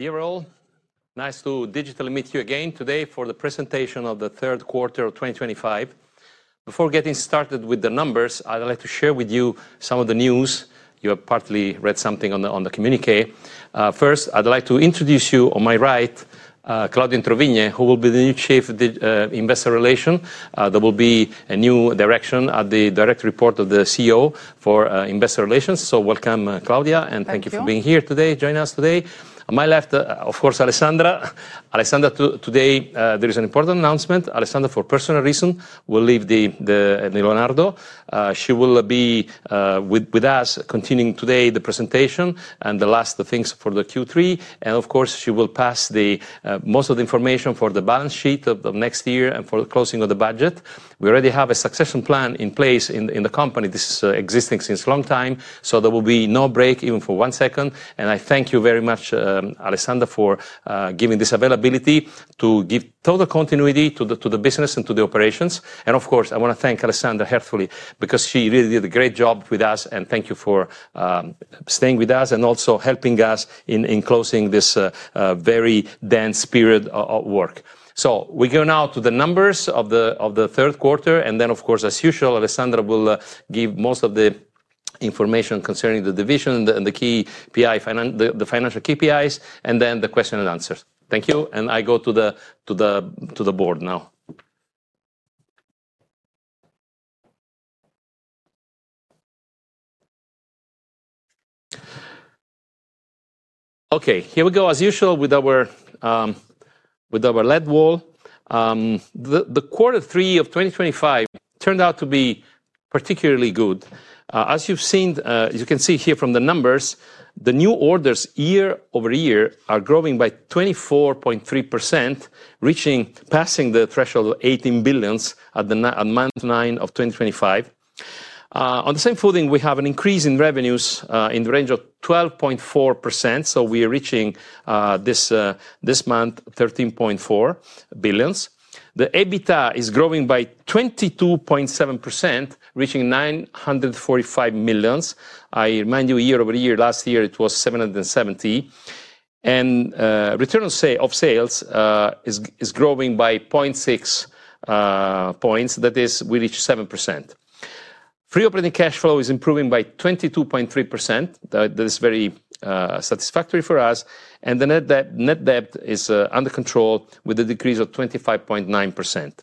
Dear all, nice to digitally meet you again today for the presentation of the third quarter of 2025. Before getting started with the numbers, I'd like to share with you some of the news you have partly read something on the communiqué. First, I'd like to introduce you on my right, Claudia Introvigne, who will be the new Chief Investor Relations. There will be a new direction at the direct report of the CEO for Investor Relations. Welcome, Claudia. Thank you. And thank you for being here today, joining us today. On my left, of course, Alessandra. Alessandra, today there is an important announcement. Alessandra, for personal reasons, will leave Leonardo. She will be with us continuing today the presentation and the last things for the Q3. Of course, she will pass most of the information for the balance sheet of next year and for the closing of the budget. We already have a succession plan in place in the company. This is existing since a long time, so there will be no break even for one second. I thank you very much, Alessandra, for giving this availability to give total continuity to the business and to the operations. I want to thank Alessandra heartfully because she really did a great job with us. Thank you for staying with us and also helping us in closing this very dense period of work. We go now to the numbers of the third quarter. As usual, Alessandra will give most of the information concerning the division and the financial KPIs, and then the question-and-answers. Thank you. I go to the Board now. Okay, here we go, as usual, with our lead wall. The quarter three of 2025 turned out to be particularly good. As you've seen, as you can see here from the numbers, the new orders year-over-year are growing by 24.3%, reaching, passing the threshold of 18 billion at month nine of 2025. On the same footing, we have an increase in revenues in the range of 12.4%. We are reaching this month 13.4 billion. The EBITDA is growing by 22.7%, reaching 945 million. I remind you, year-over-year, last year it was 770 million. Return on sales is growing by 0.6 percentage points. That is, we reach 7%. Free operating cash flow is improving by 22.3%. That is very satisfactory for us. The net debt is under control with a decrease of 25.9%.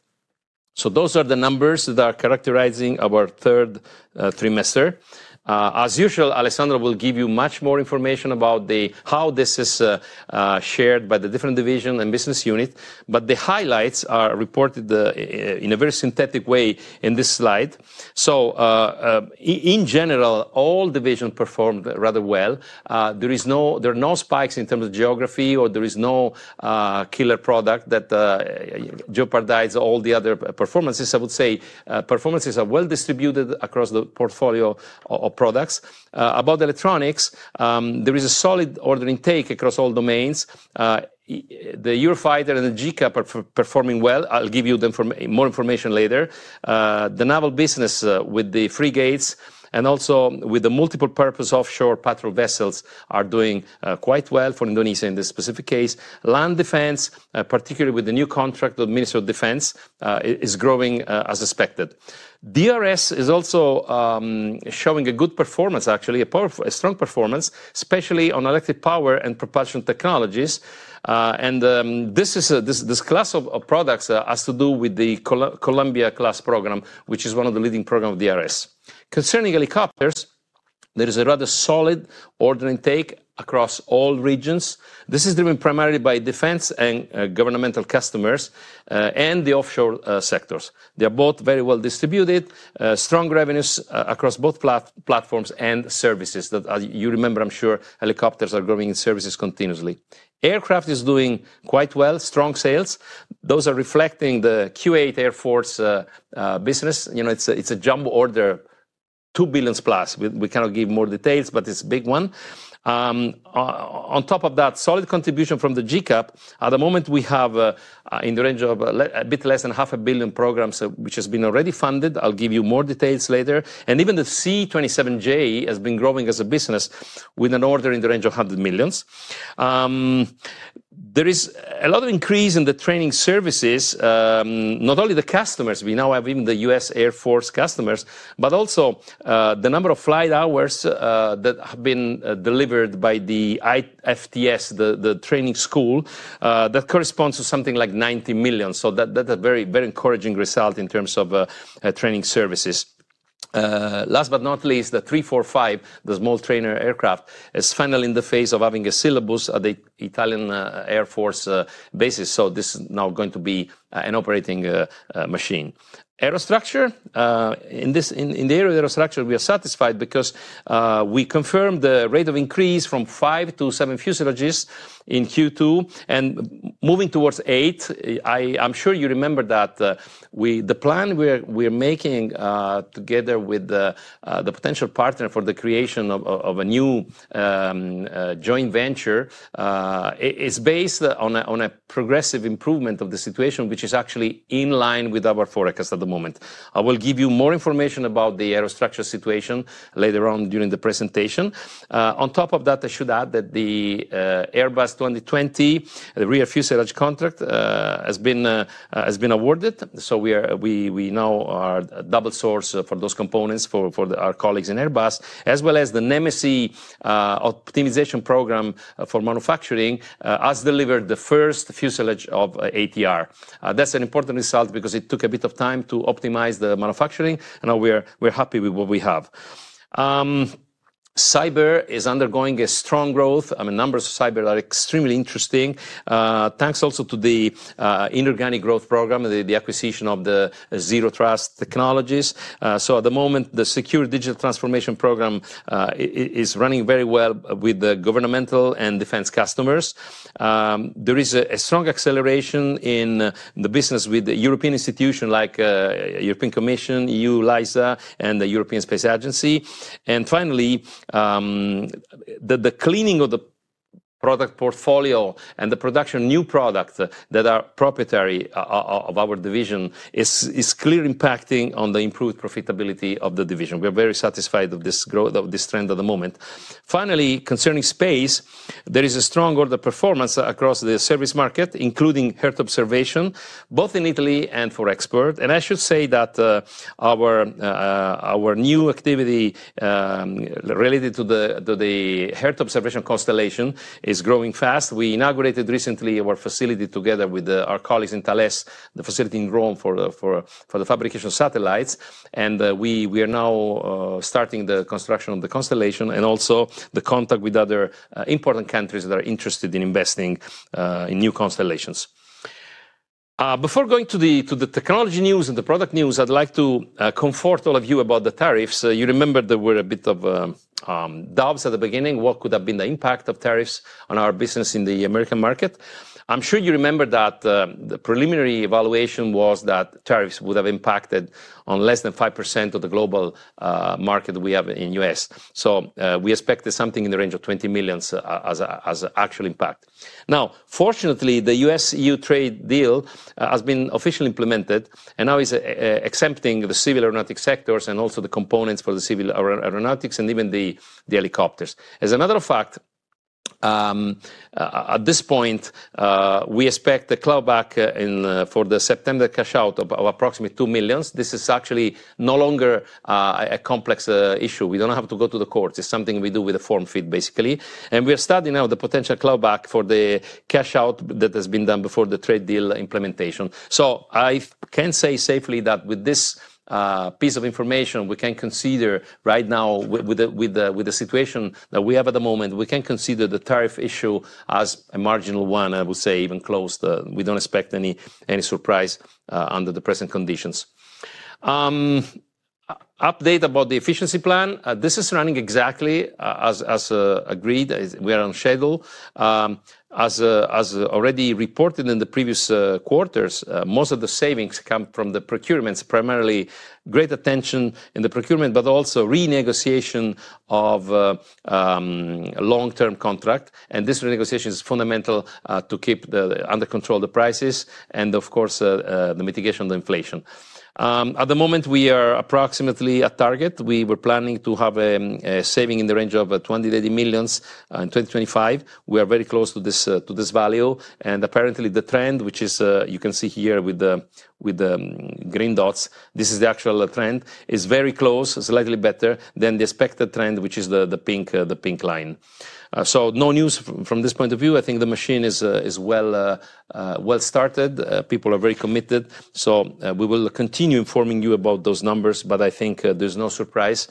Those are the numbers that are characterizing our third trimester. As usual, Alessandra will give you much more information about how this is shared by the different divisions and business units. The highlights are reported in a very synthetic way in this slide. In general, all divisions performed rather well. There are no spikes in terms of geography or there is no killer product that jeopardized all the other performances. I would say performances are well distributed across the portfolio of products. About electronics, there is a solid order intake across all domains. The Eurofighter and the G-CAP are performing well. I'll give you more information later. The naval business with the frigates and also with the multiple-purpose offshore patrol vessels are doing quite well for Indonesia in this specific case. Land defense, particularly with the new contract of the Ministry of Defense, is growing as expected. DRS is also showing a good performance, actually a strong performance, especially on electric power and propulsion technologies. This class of products has to do with the Columbia Class program, which is one of the leading programs of DRS. Concerning helicopters, there is a rather solid order intake across all regions. This is driven primarily by defense and governmental customers and the offshore sectors. They are both very well distributed, strong revenues across both platforms and services. You remember, I'm sure, helicopters are growing in services continuously. Aircraft is doing quite well, strong sales. Those are reflecting the Q8 Air Force business. It's a jumbo order, 2 billion+. We cannot give more details, but it's a big one. On top of that, solid contribution from the G-CAP. At the moment, we have in the range of a bit less than 500 million programs, which has been already funded. I'll give you more details later. Even the C-27J has been growing as a business with an order in the range of 100 million. There is a lot of increase in the training services. Not only the customers. We now have even the U.S. Air Force customers, but also the number of flight hours that have been delivered by the IFTS, the training school, that corresponds to something like 90 million. That's a very encouraging result in terms of training services. Last but not least, the M-345, the small trainer aircraft, is finally in the phase of having a syllabus at the Italian Air Force bases. This is now going to be an operating machine. Aerostructure. In the area of aerostructure, we are satisfied because we confirmed the rate of increase from five to seven fuselages in Q2 and moving towards eight. I'm sure you remember that the plan we are making together with the potential partner for the creation of a new joint venture is based on a progressive improvement of the situation, which is actually in line with our forecast at the moment. I will give you more information about the aerostructure situation later on during the presentation. On top of that, I should add that the Airbus 2020, the rear fuselage contract, has been awarded. We now are double source for those components for our colleagues in Airbus, as well as the Nemesis optimization program for manufacturing has delivered the first fuselage of ATR. That's an important result because it took a bit of time to optimize the manufacturing. We're happy with what we have. Cyber is undergoing a strong growth. I mean, numbers of cyber are extremely interesting. Thanks also to the inorganic growth program, the acquisition of the Zero Trust Technologies. At the moment, the Secure Digital Transformation program is running very well with the governmental and defense customers. There is a strong acceleration in the business with the European institutions like the European Commission, EU, LISA, and the European Space Agency. Finally, the cleaning of the product portfolio and the production of new products that are proprietary of our division is clearly impacting on the improved profitability of the division. We are very satisfied of this trend at the moment. Finally, concerning space, there is a strong order performance across the service market, including HERT observation, both in Italy and for export. I should say that our new activity related to the HERT observation constellation is growing fast. We inaugurated recently our facility together with our colleagues in Thales, the facility in Rome for the fabrication of satellites. We are now starting the construction of the constellation and also the contact with other important countries that are interested in investing in new constellations. Before going to the technology news and the product news, I'd like to comfort all of you about the tariffs. You remember there were a bit of doubts at the beginning. What could have been the impact of tariffs on our business in the U.S. market? I'm sure you remember that the preliminary evaluation was that tariffs would have impacted on less than 5% of the global market we have in the U.S. We expected something in the range of 20 million as an actual impact. Now, fortunately, the US-EU trade deal has been officially implemented and now is accepting the civil aeronautics sectors and also the components for the civil aeronautics and even the helicopters. As another fact, at this point, we expect the clawback for the September cash out of approximately 2 million. This is actually no longer a complex issue. We don't have to go to the courts. It's something we do with a form fit, basically. And we are studying now the potential clawback for the cash out that has been done before the trade deal implementation. I can say safely that with this piece of information, we can consider right now with the situation that we have at the moment, we can consider the tariff issue as a marginal one, I would say, even closed. We don't expect any surprise under the present conditions. Update about the efficiency plan. This is running exactly as agreed. We are on schedule. As already reported in the previous quarters, most of the savings come from the procurements, primarily great attention in the procurement, but also renegotiation of long-term contract. This renegotiation is fundamental to keep under control the prices and, of course, the mitigation of inflation. At the moment, we are approximately at target. We were planning to have a saving in the range of 20 million, 30 million in 2025. We are very close to this value. Apparently, the trend, which you can see here with the green dots, this is the actual trend, is very close, slightly better than the expected trend, which is the pink line. No news from this point of view, I think the machine is well started. People are very committed. We will continue informing you about those numbers, but I think there's no surprise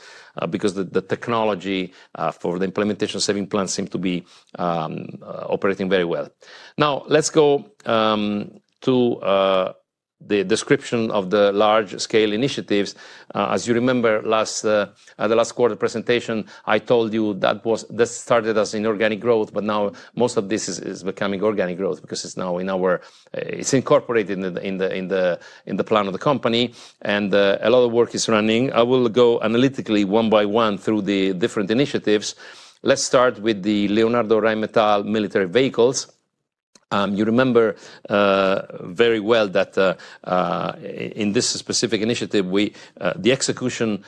because the technology for the implementation saving plan seems to be operating very well. Now, let's go to the description of the large-scale initiatives. As you remember, at the last quarter presentation, I told you that it started as inorganic growth, but now most of this is becoming organic growth because it's incorporated in the plan of the company. And a lot of work is running. I will go analytically one by one through the different initiatives. Let's start with the Leonardo Rheinmetall military vehicles. You remember very well that in this specific initiative, the execution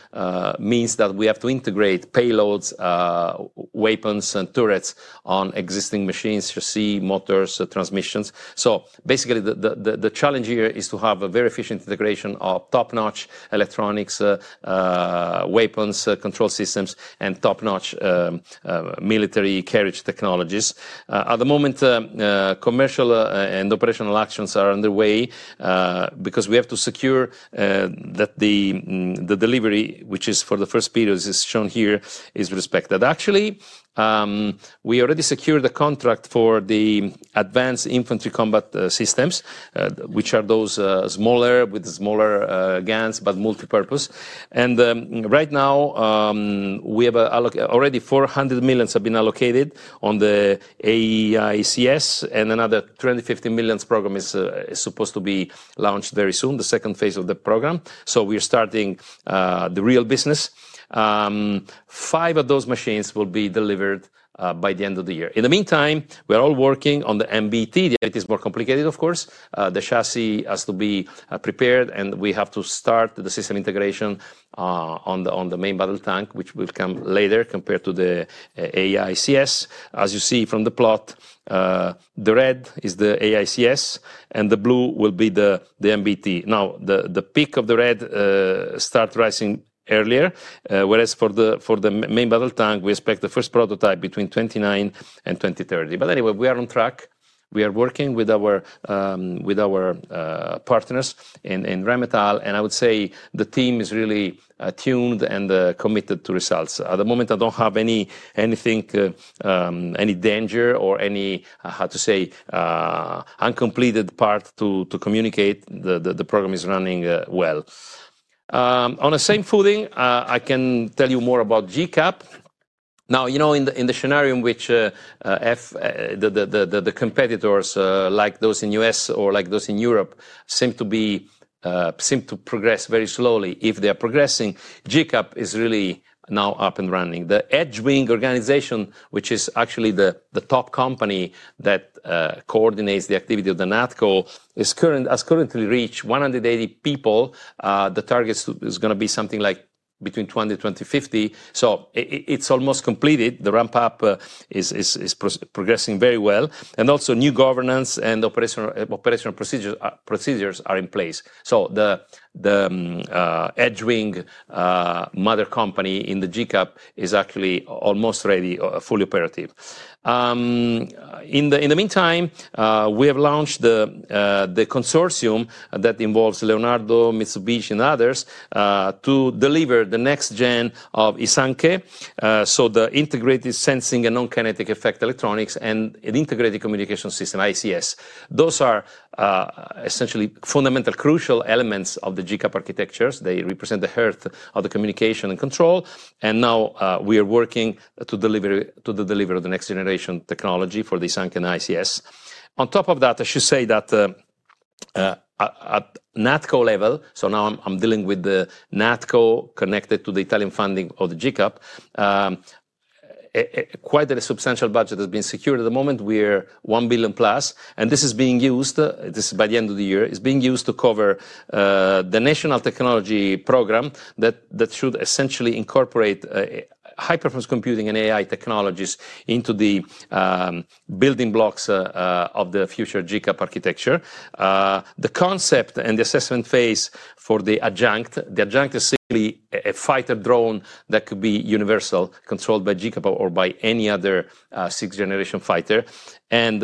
means that we have to integrate payloads, weapons, and turrets on existing machines, chassis, motors, transmissions. So basically, the challenge here is to have a very efficient integration of top-notch electronics, weapons, control systems, and top-notch Military carriage technologies. At the moment, commercial and operational actions are underway because we have to secure that the delivery, which is for the first period, is shown here, is respected, actually. We already secured the contract for the advanced infantry combat systems, which are those smaller with smaller guns, but multipurpose. Right now, we have already 400 million have been allocated on the AEICS, and another 250 million program is supposed to be launched very soon, the second phase of the program. We are starting the real business. Five of those machines will be delivered by the end of the year. In the meantime, we are all working on the MBT. It is more complicated, of course. The chassis has to be prepared, and we have to start the system integration on the main battle tank, which will come later compared to the AEICS. As you see from the plot, the red is the AEICS, and the blue will be the MBT. Now, the peak of the red starts rising earlier, whereas for the main battle tank, we expect the first prototype between 2029 and 2030. Anyway, we are on track. We are working with our partners in Rheinmetall, and I would say the team is really attuned and committed to results. At the moment, I do not have any danger or any, how to say, uncompleted part to communicate. The program is running well. On the same footing, I can tell you more about G-CAP. Now, in the scenario in which the competitors, like those in the U.S. or like those in Europe, seem to progress very slowly, if they are progressing, G-CAP is really now up and running. The Edgewing Organization, which is actually the top company that coordinates the activity of the NATCO, has currently reached 180 people. The target is going to be something like between 200-250. So it's almost completed. The ramp-up is progressing very well. Also, new governance and operational procedures are in place. The Edgewing mother company in the G-CAP is actually almost ready, fully operative. In the meantime, we have launched the consortium that involves Leonardo, Mitsubishi, and others to deliver the next gen of ISANKE, so the integrated sensing and non-kinetic effect electronics and an integrated communication system, ICS. Those are essentially fundamental crucial elements of the G-CAP architectures. They represent the hearth of the communication and control. Now we are working to deliver the next generation technology for the ISANKE and ICS. On top of that, I should say that at NATCO level, so now I'm dealing with the NATCO connected to the Italian funding of the G-CAP. Quite a substantial budget has been secured at the moment. We are 1 billion+. This is being used, this is by the end of the year, is being used to cover the national technology program that should essentially incorporate high-performance computing and AI technologies into the building blocks of the future G-CAP architecture. The concept and the assessment phase for the Adjunct, the Adjunct is simply a fighter drone that could be universal, controlled by G-CAP or by any other sixth-generation fighter.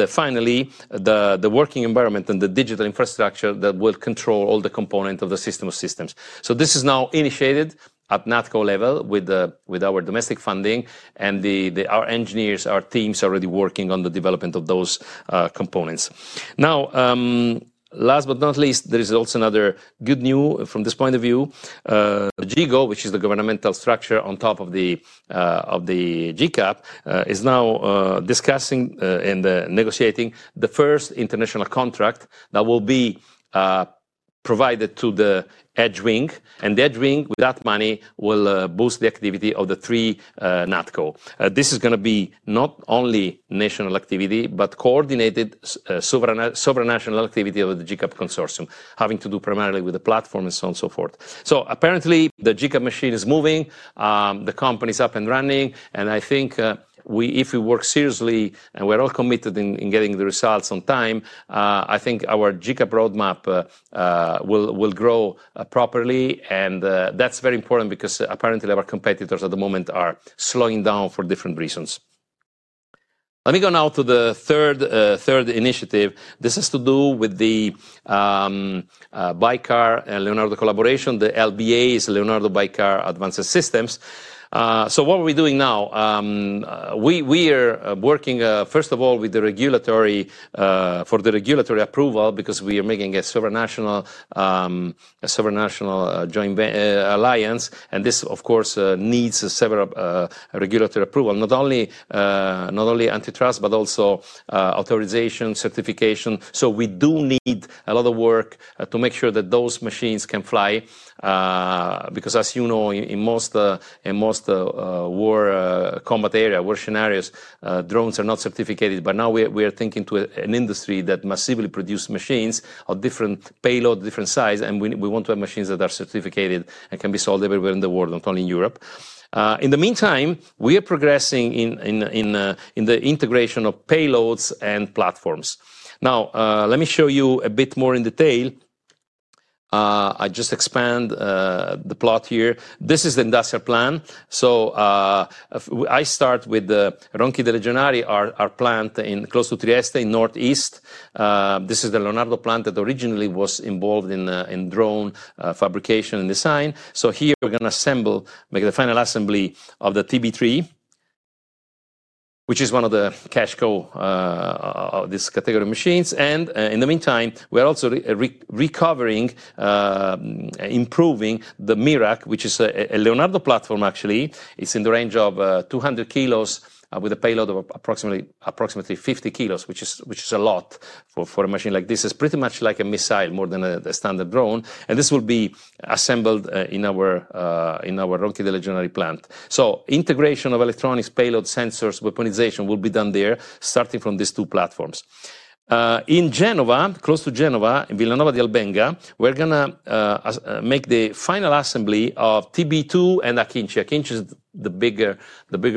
Finally, the working environment and the digital infrastructure that will control all the components of the system of systems. This is now initiated at NATCO level with our domestic funding. Our engineers, our teams are already working on the development of those components. Now last but not least, there is also another good news from this point of view. GCO, which is the governmental structure on top of the G-CAP, is now discussing and negotiating the first international contract that will be provided to the Edgewing. And the Edgewing, with that money, will boost the activity of the three NATCO. This is going to be not only national activity, but coordinated sovereign national activity of the G-CAP consortium, having to do primarily with the platform and so on and so forth. Apparently, the G-CAP machine is moving. The company is up and running. I think if we work seriously and we're all committed in getting the results on time, I think our G-CAP roadmap will grow properly. That's very important because apparently our competitors at the moment are slowing down for different reasons. Let me go now to the third initiative. This has to do with the Baykar and Leonardo collaboration. The LBA is Leonardo Baykar Advanced Systems. What are we doing now? We are working, first of all, with the regulatory approval because we are making a sovereign national alliance. This, of course, needs several regulatory approvals, not only anti-trust, but also authorization, certification. We do need a lot of work to make sure that those machines can fly. As you know, in most war combat areas, war scenarios, drones are not certificated. Now we are thinking to an industry that massively produces machines of different payloads, different sizes. We want to have machines that are certificated and can be sold everywhere in the world, not only in Europe. In the meantime, we are progressing in the integration of payloads and platforms. Now, let me show you a bit more in detail. I just expand the plot here. This is the industrial plan. I start with the Ronchi dei Legionari, our plant close to Trieste, in northeast. This is the Leonardo plant that originally was involved in drone fabrication and design. Here, we're going to assemble, make the final assembly of the TB3, which is one of the Casco of this category of machines. In the meantime, we are also recovering, improving the Mirach, which is a Leonardo platform, actually. It's in the range of 200 kg with a payload of approximately 50 kg, which is a lot for a machine like this. It's pretty much like a missile more than a standard drone. This will be assembled in our Ronchi dei Legionari plant. Integration of electronics, payload sensors, weaponization will be done there, starting from these two platforms. In Genova, close to Genova, in Villanova d'Albenga, we're going to make the final assembly of TB2 and Akıncı. Akıncı is the bigger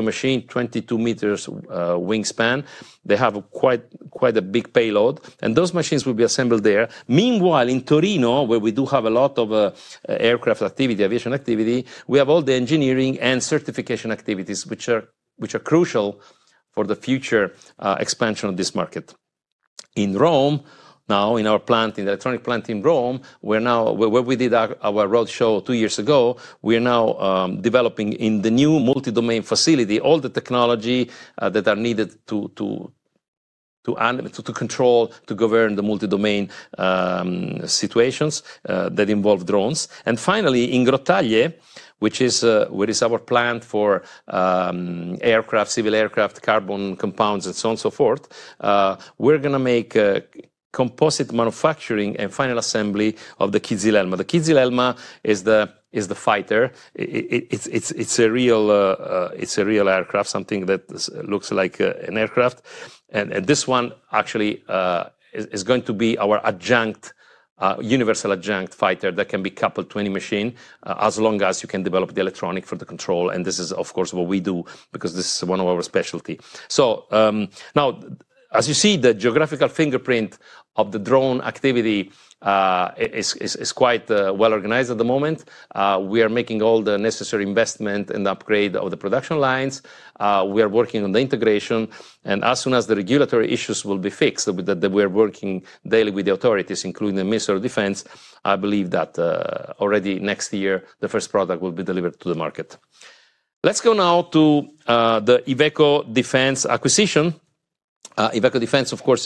machine, 22 meters wingspan. They have quite a big payload. Those machines will be assembled there. Meanwhile, in Torino, where we do have a lot of aircraft activity, aviation activity, we have all the engineering and certification activities, which are crucial for the future expansion of this market. In Rome, now in our plant, in the electronic plant in Rome, where we did our roadshow two years ago, we are now developing in the new multi-domain facility all the technology that are needed to control, to govern the multi-domain situations that involve drones. Finally, in Grottaglie, which is our plant for civil aircraft, carbon compounds, and so on and so forth, we're going to make composite manufacturing and final assembly of the Kızılelma. The Kızılelma is the fighter. It's a real aircraft, something that looks like an aircraft. This one, actually, is going to be our universal Adjunct fighter that can be coupled to any machine as long as you can develop the electronic for the control. This is, of course, what we do because this is one of our specialties. Now, as you see, the geographical fingerprint of the drone activity is quite well organized at the moment. We are making all the necessary investment and upgrade of the production lines. We are working on the integration. As soon as the regulatory issues will be fixed, that we are working daily with the authorities, including the Ministry of Defense, I believe that already next year, the first product will be delivered to the market. Let's go now to the IVECO Defence acquisition. IVECO Defence, of course,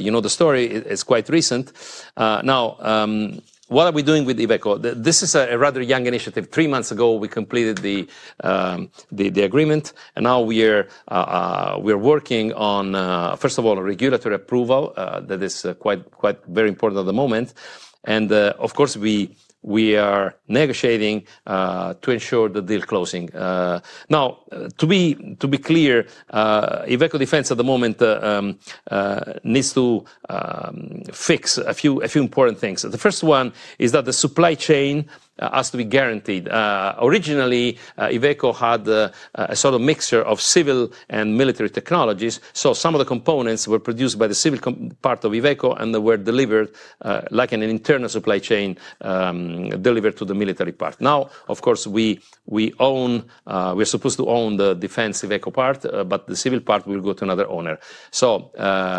you know the story it's quite recent. Now. What are we doing with IVECO? This is a rather young initiative. Three months ago, we completed the agreement. Now we are working on, first of all, regulatory approval that is quite very important at the moment. Of course, we are negotiating to ensure the deal closing. Now, to be clear, IVECO Defence at the moment needs to fix a few important things. The first one is that the supply chain has to be guaranteed. Originally, IVECO had a sort of mixture of civil and military technologies. Some of the components were produced by the civil part of IVECO and were delivered like an internal supply chain, delivered to the military part. Now, of course, we own, we're supposed to own the defence IVECO part, but the civil part will go to another owner.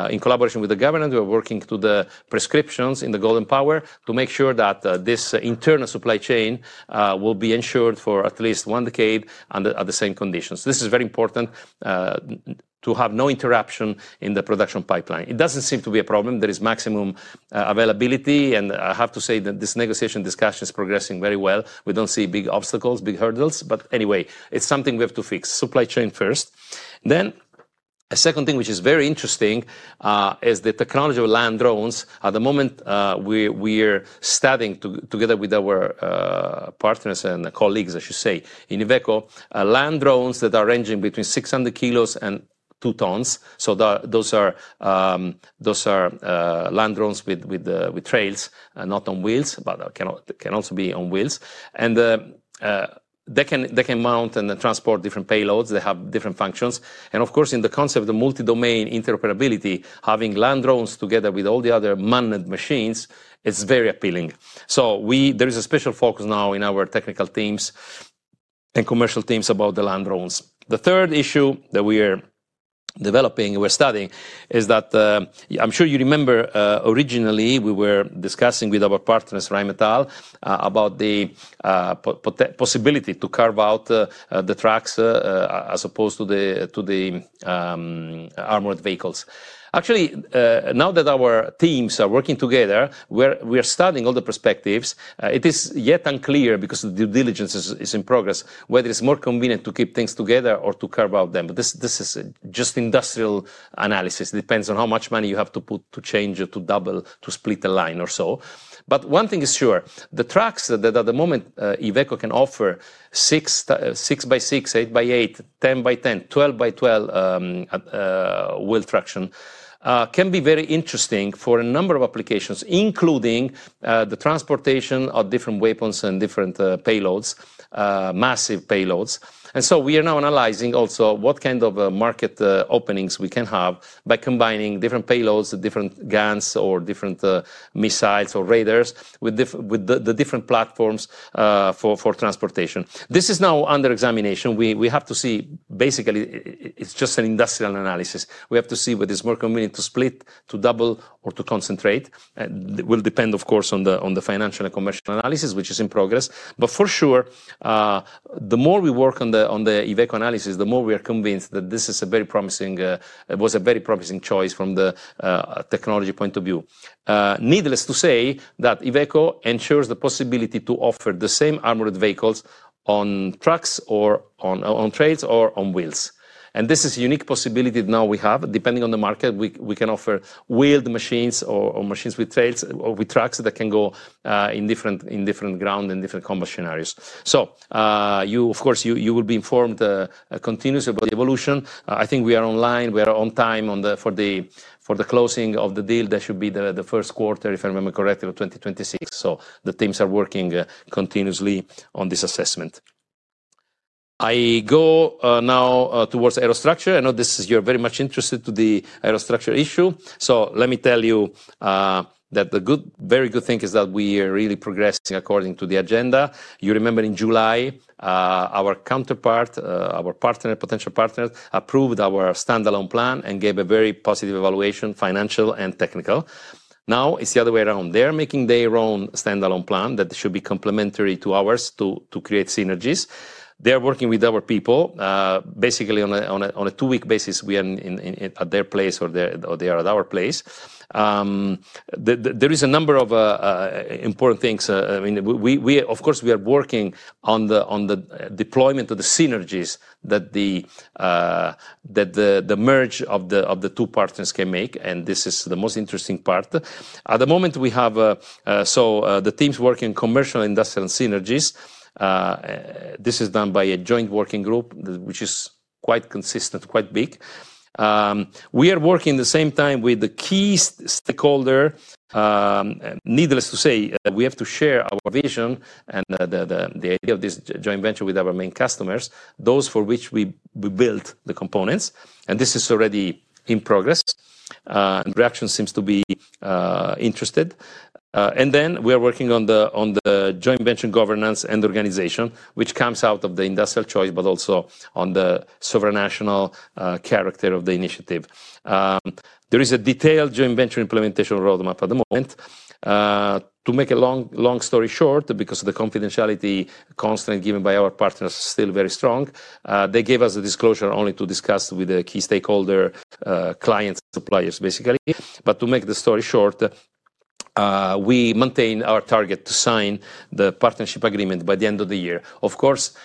In collaboration with the government, we are working to the prescriptions in the golden power to make sure that this internal supply chain will be ensured for at least one decade under the same conditions. This is very important to have no interruption in the production pipeline. It does not seem to be a problem. There is maximum availability. I have to say that this negotiation discussion is progressing very well. We do not see big obstacles, big hurdles. Anyway, it is something we have to fix supply chain first. A second thing, which is very interesting, is the technology of land drones. At the moment, we are studying together with our partners and colleagues, I should say, in IVECO, land drones that are ranging between 600 kg and 2 tons. Those are land drones with tracks, not on wheels, but can also be on wheels. They can mount and transport different payloads. They have different functions. Of course, in the concept of multi-domain interoperability, having land drones together with all the other man-made machines is very appealing. There is a special focus now in our technical teams and commercial teams about the land drones. The third issue that we are developing, we're studying, is that I'm sure you remember originally we were discussing with our partners, Rheinmetall, about the possibility to carve out the tracks as opposed to the armored vehicles. Actually, now that our teams are working together, we are studying all the perspectives. It is yet unclear because the due diligence is in progress whether it's more convenient to keep things together or to carve out them. This is just industrial analysis. It depends on how much money you have to put to change or to double, to split a line or so. One thing is sure. The trucks that at the moment IVECO can offer, 6 by 6, 8 by 8, 10 by 10, 12 by 12 wheel traction, can be very interesting for a number of applications, including the transportation of different weapons and different payloads, massive payloads. We are now analyzing also what kind of market openings we can have by combining different payloads, different guns, or different missiles or radars with the different platforms for transportation. This is now under examination. We have to see, basically, it's just an industrial analysis. We have to see whether it's more convenient to split, to double, or to concentrate. It will depend, of course, on the financial and commercial analysis, which is in progress. For sure, the more we work on the IVECO analysis, the more we are convinced that this is a very promising, was a very promising choice from the technology point of view. Needless to say that IVECO ensures the possibility to offer the same armored vehicles on trucks or on trails or on wheels. This is a unique possibility now we have. Depending on the market, we can offer wheeled machines or machines with trails or with trucks that can go in different ground and different combat scenarios. Of course, you will be informed continuously about the evolution. I think we are on line. We are on time for the closing of the deal, that should be the first quarter, if I remember correctly, of 2026. The teams are working continuously on this assessment. I go now towards aerostructure. I know you're very much interested in the aerostructure issue. Let me tell you that the very good thing is that we are really progressing according to the agenda. You remember in July, our counterpart, our potential partner, approved our standalone plan and gave a very positive evaluation, financial and technical. Now it is the other way around. They are making their own standalone plan that should be complementary to ours to create synergies. They are working with our people. Basically, on a two-week basis, we are at their place or they are at our place. There are a number of important things. I mean, of course, we are working on the deployment of the synergies that the merge of the two partners can make. This is the most interesting part. At the moment, we have the teams working on commercial, industrial, and synergies. This is done by a joint working group, which is quite consistent, quite big. We are working at the same time with the key stakeholder. Needless to say, we have to share our vision and the idea of this joint venture with our main customers, those for which we built the components. This is already in progress. Production seems to be interested. We are working on the joint venture governance and organization, which comes out of the industrial choice, but also on the sovereign national character of the initiative. There is a detailed joint venture implementation roadmap at the moment. To make a long story short, because of the confidentiality constraint given by our partners is still very strong, they gave us a disclosure only to discuss with the key stakeholder clients, suppliers, basically. To make the story short, we maintain our target to sign the partnership agreement by the end of the year. Of course,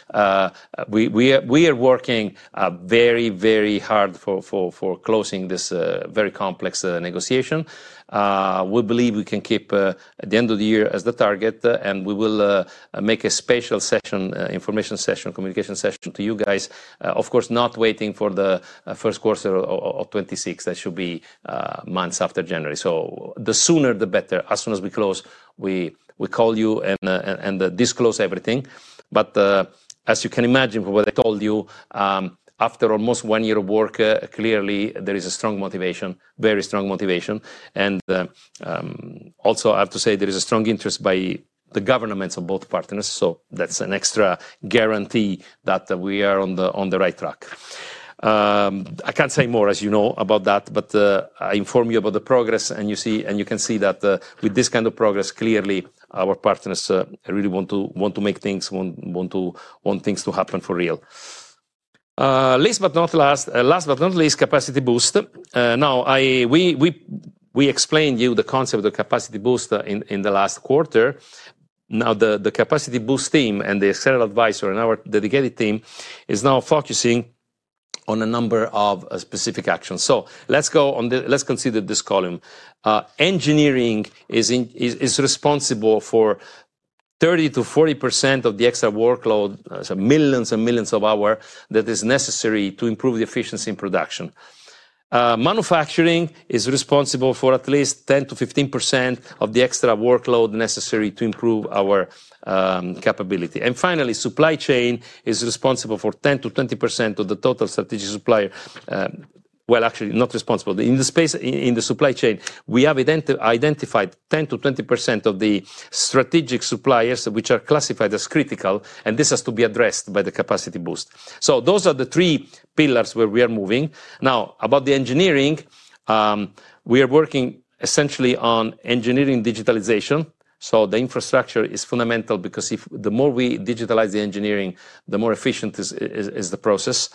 we are working very, very hard for closing this very complex negotiation. We believe we can keep the end of the year as the target. We will make a special session, information session, communication session to you guys. Of course, not waiting for the first quarter of 2026. That should be months after January. The sooner, the better. As soon as we close, we call you and disclose everything. As you can imagine from what I told you, after almost one year of work, clearly, there is a strong motivation, very strong motivation. Also, I have to say there is a strong interest by the governments of both partners. That is an extra guarantee that we are on the right track. I can't say more, as you know, about that but I inform you about the progress. You can see that with this kind of progress, clearly, our partners really want things to happen for real. Last but not least, capacity boost. Now, we explained to you the concept of capacity boost in the last quarter. Now, the capacity boost team and the external advisor and our dedicated team is now focusing on a number of specific actions. Let's consider this column. Engineering is responsible for 30%-40% of the extra workload, millions and millions of hours that is necessary to improve the efficiency in production. Manufacturing is responsible for at least 10%-15% of the extra workload necessary to improve our capability. Finally, supply chain is responsible for 10%-20% of the total strategic supplier. Actually, not responsible. In the supply chain, we have identified 10%-20% of the strategic suppliers which are classified as critical. This has to be addressed by the capacity boost. Those are the three pillars where we are moving. Now, about the engineering, we are working essentially on engineering digitalization. The infrastructure is fundamental because the more we digitalize the engineering, the more efficient is the process.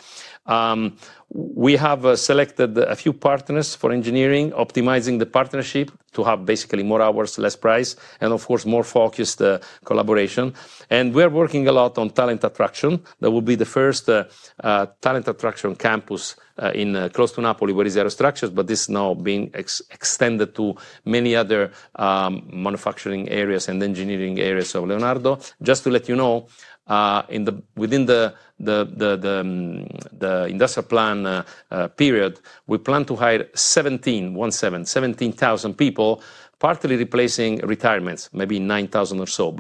We have selected a few partners for engineering, optimizing the partnership to have basically more hours, less price, and of course, more focused collaboration. We are working a lot on talent attraction. That will be the first talent attraction campus close to Napoli, where is Aerostructures, but this is now being extended to many other manufacturing areas and engineering areas of Leonardo. Just to let you know, within the industrial plan period, we plan to hire 17,000 people, partly replacing retirements, maybe 9,000 or so.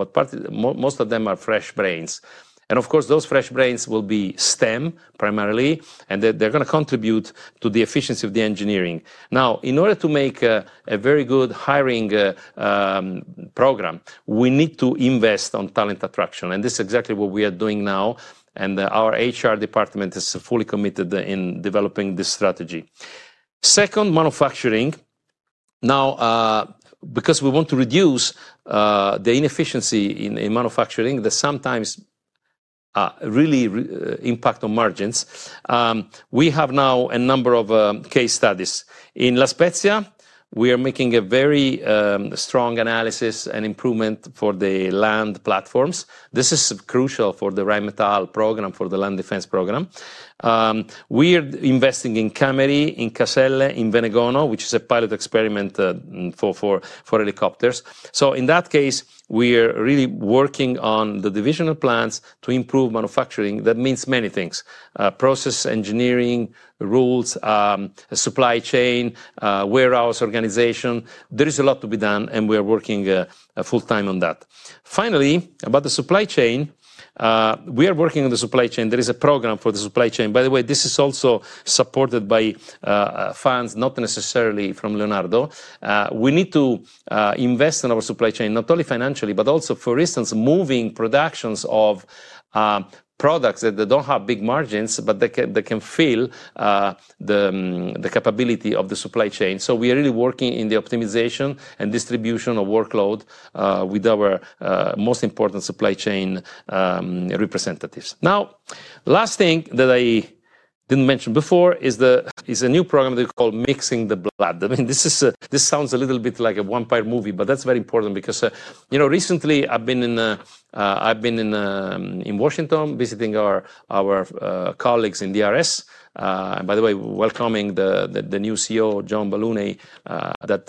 Most of them are fresh brains. Of course, those fresh brains will be STEM primarily. They're going to contribute to the efficiency of the engineering. In order to make a very good hiring program, we need to invest on talent attraction. This is exactly what we are doing now. Our HR department is fully committed in developing this strategy. Second, manufacturing. We want to reduce the inefficiency in manufacturing that sometimes really impacts on margins. We have now a number of case studies. In La Spezia, we are making a very strong analysis and improvement for the land platforms. This is crucial for the Rheinmetall program, for the land defense program. We are investing in Cameri, in Caselle, in Venegono, which is a pilot experiment for helicopters. In that case, we are really working on the divisional plans to improve manufacturing. That means many things: process engineering, rules, supply chain, warehouse organization. There is a lot to be done. We are working full-time on that. Finally, about the supply chain. We are working on the supply chain. There is a program for the supply chain. By the way, this is also supported by funds, not necessarily from Leonardo. We need to invest in our supply chain, not only financially, but also, for instance, moving productions of products that do not have big margins, but that can fill the capability of the supply chain. We are really working in the optimization and distribution of workload with our most important supply chain representatives. Now, last thing that I did not mention before is a new program that we call Mixing the Blood. I mean, this sounds a little bit like a vampire movie, but that's very important because recently, I've been in Washington visiting our colleagues in DRS. By the way, welcoming the new CEO, John Baylouny, that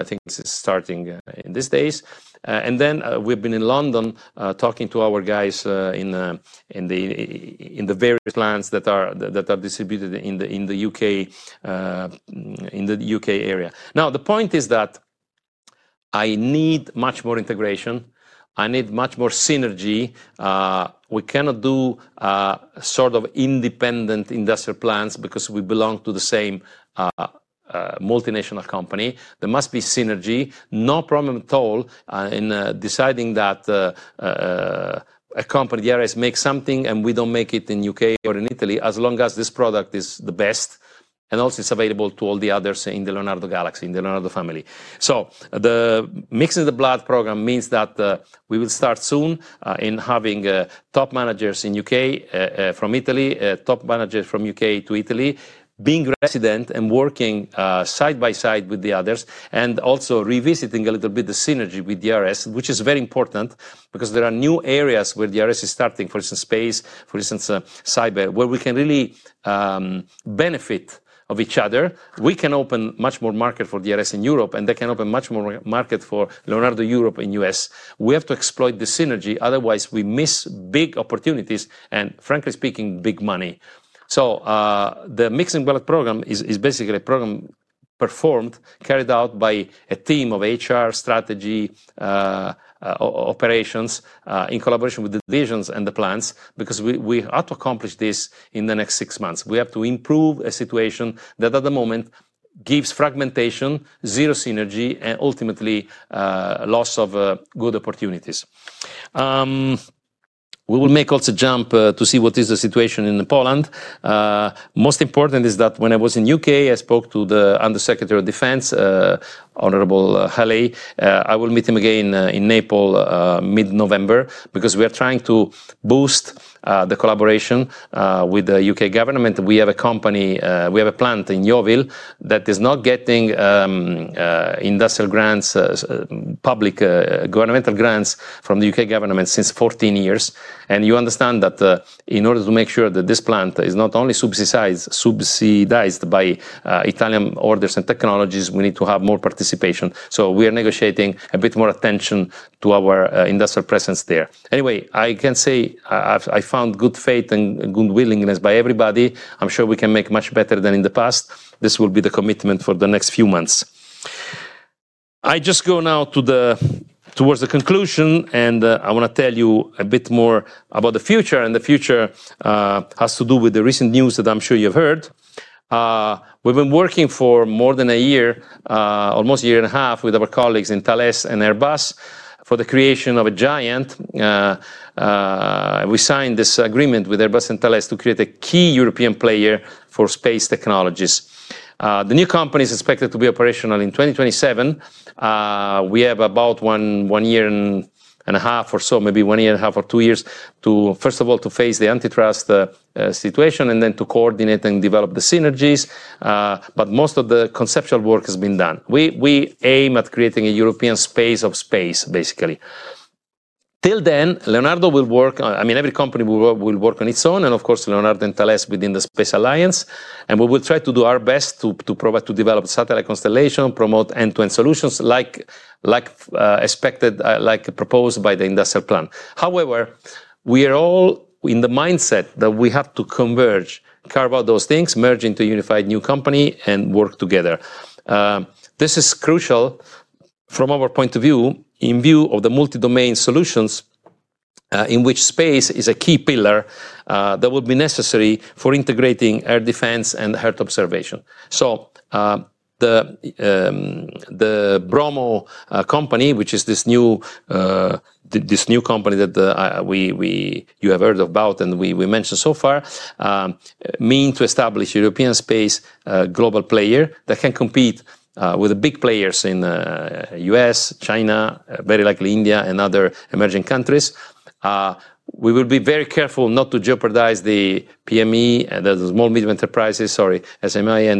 I think is starting in these days. Then we've been in London talking to our guys in the various plants that are distributed in the U.K. area. Now, the point is that I need much more integration. I need much more synergy. We cannot do sort of independent industrial plants because we belong to the same multinational company. There must be synergy. No problem at all in deciding that a company, DRS, makes something and we don't make it in the U.K. or in Italy as long as this product is the best and also it's available to all the others in the Leonardo Galaxy, in the Leonardo family. The Mixing the Blood program means that we will start soon in having top managers in the U.K. from Italy, top managers from the U.K. to Italy, being resident and working side by side with the others, and also revisiting a little bit the synergy with DRS, which is very important because there are new areas where DRS is starting, for instance, space, for instance, cyber, where we can really benefit of each other. We can open much more market for DRS in Europe, and they can open much more market for Leonardo Europe and U.S. We have to exploit the synergy. Otherwise, we miss big opportunities and, frankly speaking, big money. The Mixing the Blood program is basically a program performed, carried out by a team of HR, strategy operations in collaboration with the divisions and the plants because we have to accomplish this in the next six months. We have to improve a situation that at the moment gives fragmentation, zero synergy, and ultimately loss of good opportunities. We will make also a jump to see what is the situation in Poland. Most important is that when I was in the U.K., I spoke to the Undersecretary of Defense, Honorable Hale. I will meet him again in Naples mid-November because we are trying to boost the collaboration with the U.K. government. We have a company. We have a plant in Yeovil that is not getting industrial grants, public governmental grants from the U.K. government since 14 years. You understand that in order to make sure that this plant is not only subsidized by Italian orders and technologies, we need to have more participation. We are negotiating a bit more attention to our industrial presence there. Anyway, I can say I found good faith and good willingness by everybody. I'm sure we can make much better than in the past. This will be the commitment for the next few months. I just go now towards the conclusion, and I want to tell you a bit more about the future. The future has to do with the recent news that I'm sure you've heard. We've been working for more than a year, almost a year and a half, with our colleagues in Thales and Airbus for the creation of a giant. We signed this agreement with Airbus and Thales to create a key European player for space technologies. The new company is expected to be operational in 2027. We have about one year and a half or so, maybe one year and a half or two years, first of all, to face the antitrust situation and then to coordinate and develop the synergies. Most of the conceptual work has been done. We aim at creating a European space of space, basically. Till then, Leonardo will work. I mean, every company will work on its own. Of course, Leonardo and Thales within the space alliance. We will try to do our best to develop satellite constellation, promote end-to-end solutions like expected, like proposed by the industrial plan. However, we are all in the mindset that we have to converge, carve out those things, merge into a unified new company, and work together. This is crucial. From our point of view, in view of the multi-domain solutions in which space is a key pillar that will be necessary for integrating air defense and Earth observation. The Bromo company, which is this company that you have heard about and we mentioned so far, means to establish a European space global player that can compete with the big players in the U.S., China, very likely India, and other emerging countries. We will be very careful not to jeopardize the PME, the small-medium enterprises, sorry, SME,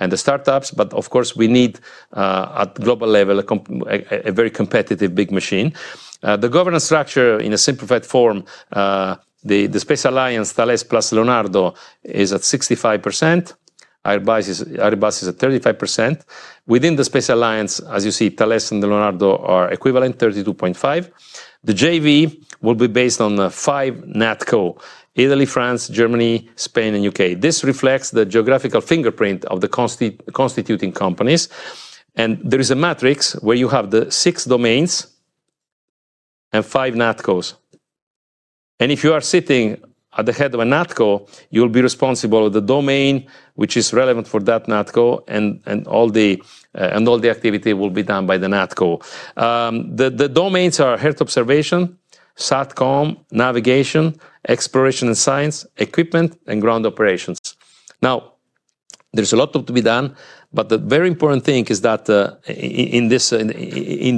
and the startups. Of course, we need at global level a very competitive big machine. The governance structure in a simplified form: the space alliance, Thales plus Leonardo, is at 65%. Airbus is at 35%. Within the space alliance, as you see, Thales and Leonardo are equivalent, 32.5%. The JV will be based on five NATCO: Italy, France, Germany, Spain, and U.K. This reflects the geographical fingerprint of the constituting companies. There is a matrix where you have the six domains and five NATCOs. If you are sitting at the head of a NATCO, you'll be responsible for the domain which is relevant for that NATCO, and all the activity will be done by the NATCO. The domains are Earth observation, satcom, navigation, exploration and science, equipment, and ground operations. Now, there's a lot to be done. The very important thing is that in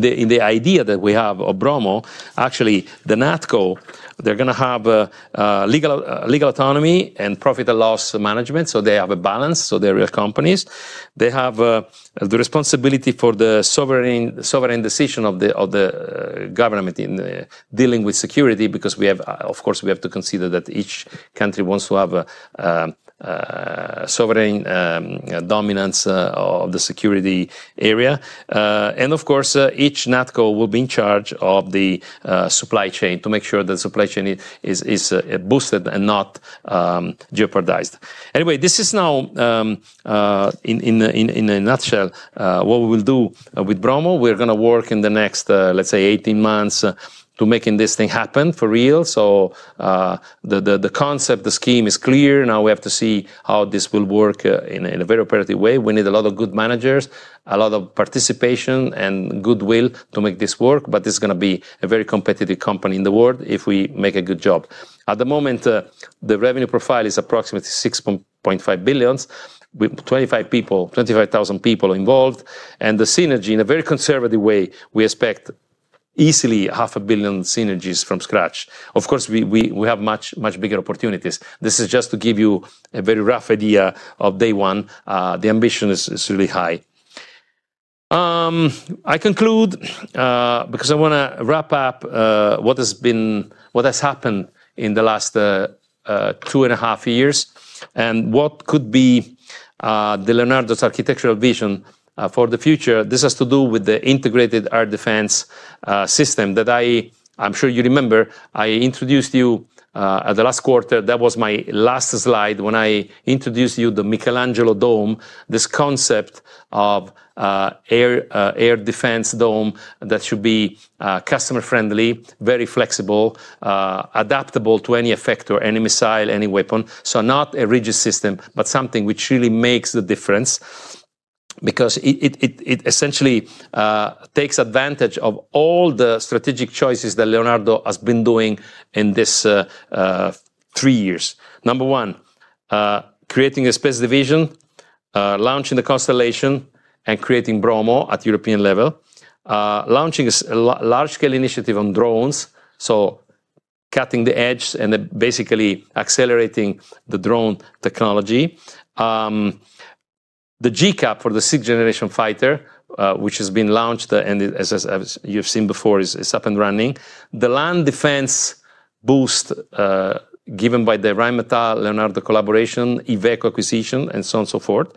the idea that we have of Bromo, actually, the NATCO, they're going to have legal autonomy and profit and loss management. So they have a balance. So they're real companies. They have the responsibility for the sovereign decision of the government in dealing with security because, of course, we have to consider that each country wants to have sovereign dominance of the security area. Of course, each NATCO will be in charge of the supply chain to make sure that the supply chain is boosted and not jeopardized. Anyway, this is now, in a nutshell, what we will do with Bromo. We're going to work in the next, let's say, 18 months to make this thing happen for real. The concept, the scheme is clear. Now we have to see how this will work in a very operative way. We need a lot of good managers, a lot of participation, and goodwill to make this work. It's going to be a very competitive company in the world if we make a good job. At the moment, the revenue profile is approximately 6.5 billion, with 25,000 people involved. The synergy, in a very conservative way, we expect easily 500 million synergies from scratch. Of course, we have much bigger opportunities. This is just to give you a very rough idea of day one. The ambition is really high. I conclude. Because I want to wrap up what has happened in the last two and a half years and what could be the Leonardo's architectural vision for the future. This has to do with the integrated air defense system that I'm sure you remember. I introduced you at the last quarter. That was my last slide when I introduced you to the Michelangelo Dome, this concept of air defense dome that should be customer-friendly, very flexible, adaptable to any effect or any missile, any weapon. Not a rigid system, but something which really makes the difference. Because it essentially takes advantage of all the strategic choices that Leonardo has been doing in this three years. Number one, creating a space division, launching the constellation, and creating Bromo at European level. Launching a large-scale initiative on drones. Cutting the edge and basically accelerating the drone technology. The G-CAP for the sixth-generation fighter, which has been launched and as you've seen before, is up and running. The land defense boost given by the Rheinmetall-Leonardo collaboration, IVECO acquisition, and so on and so forth.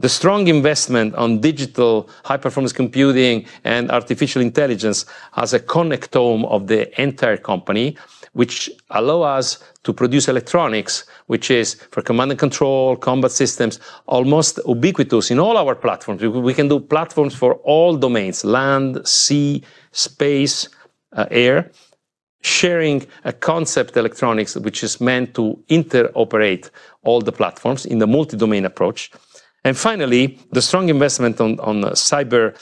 The strong investment on digital high-performance computing and artificial intelligence as a connectome of the entire company, which allows us to produce electronics, which is for command and control, combat systems, almost ubiquitous in all our platforms. We can do platforms for all domains: land, sea, space, air. Sharing a concept electronics, which is meant to interoperate all the platforms in the multi-domain approach. Finally, the strong investment on cyber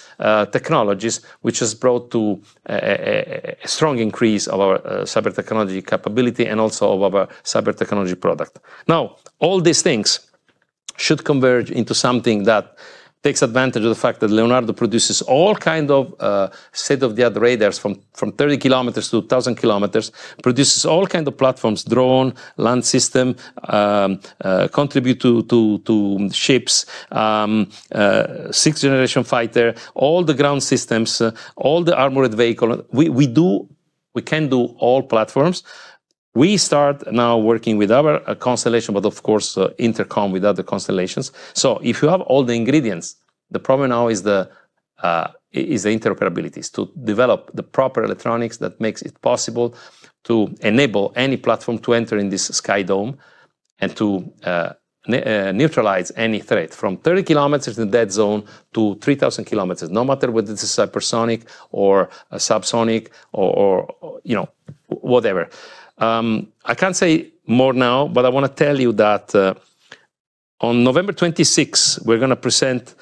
technologies, which has brought to a strong increase of our cyber technology capability and also of our cyber technology product. Now, all these things should converge into something that takes advantage of the fact that Leonardo produces all kinds of state-of-the-art radars from 30 km-1,000 km, produces all kinds of platforms: drone, land system, contribute to ships, sixth-generation fighter, all the ground systems, all the armored vehicles. We can do all platforms. We start now working with our constellation, but of course, intercom with other constellations. If you have all the ingredients, the problem now is the interoperability to develop the proper electronics that makes it possible to enable any platform to enter in this sky dome and to neutralize any threat from 30 km in the dead zone to 3,000 km, no matter whether it's hypersonic or subsonic or whatever. I can't say more now, but I want to tell you that on November 26, we're going to present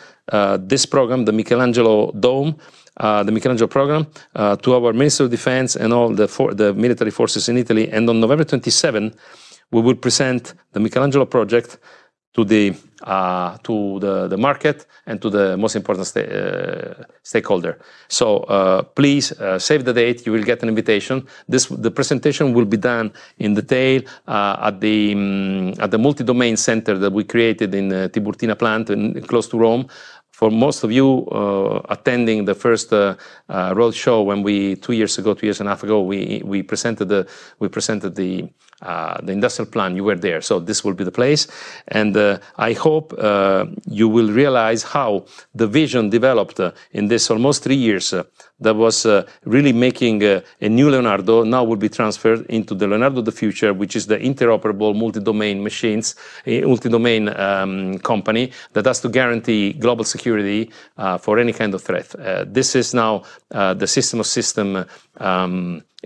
this program, the Michelangelo Dome, the Michelangelo program, to our Minister of Defense and all the military forces in Italy. On November 27, we will present the Michelangelo project to the market and to the most important stakeholder. Please save the date. You will get an invitation. The presentation will be done in detail at the multi-domain center that we created in Tiburtina Plant close to Rome. For most of you attending the first roadshow when we, two years ago, two years and a half ago, we presented the industrial plan, you were there. This will be the place. I hope you will realize how the vision developed in this almost three years that was really making a new Leonardo now will be transferred into the Leonardo of the future, which is the interoperable multi-domain machines, multi-domain company that has to guarantee global security for any kind of threat. This is now the system of system.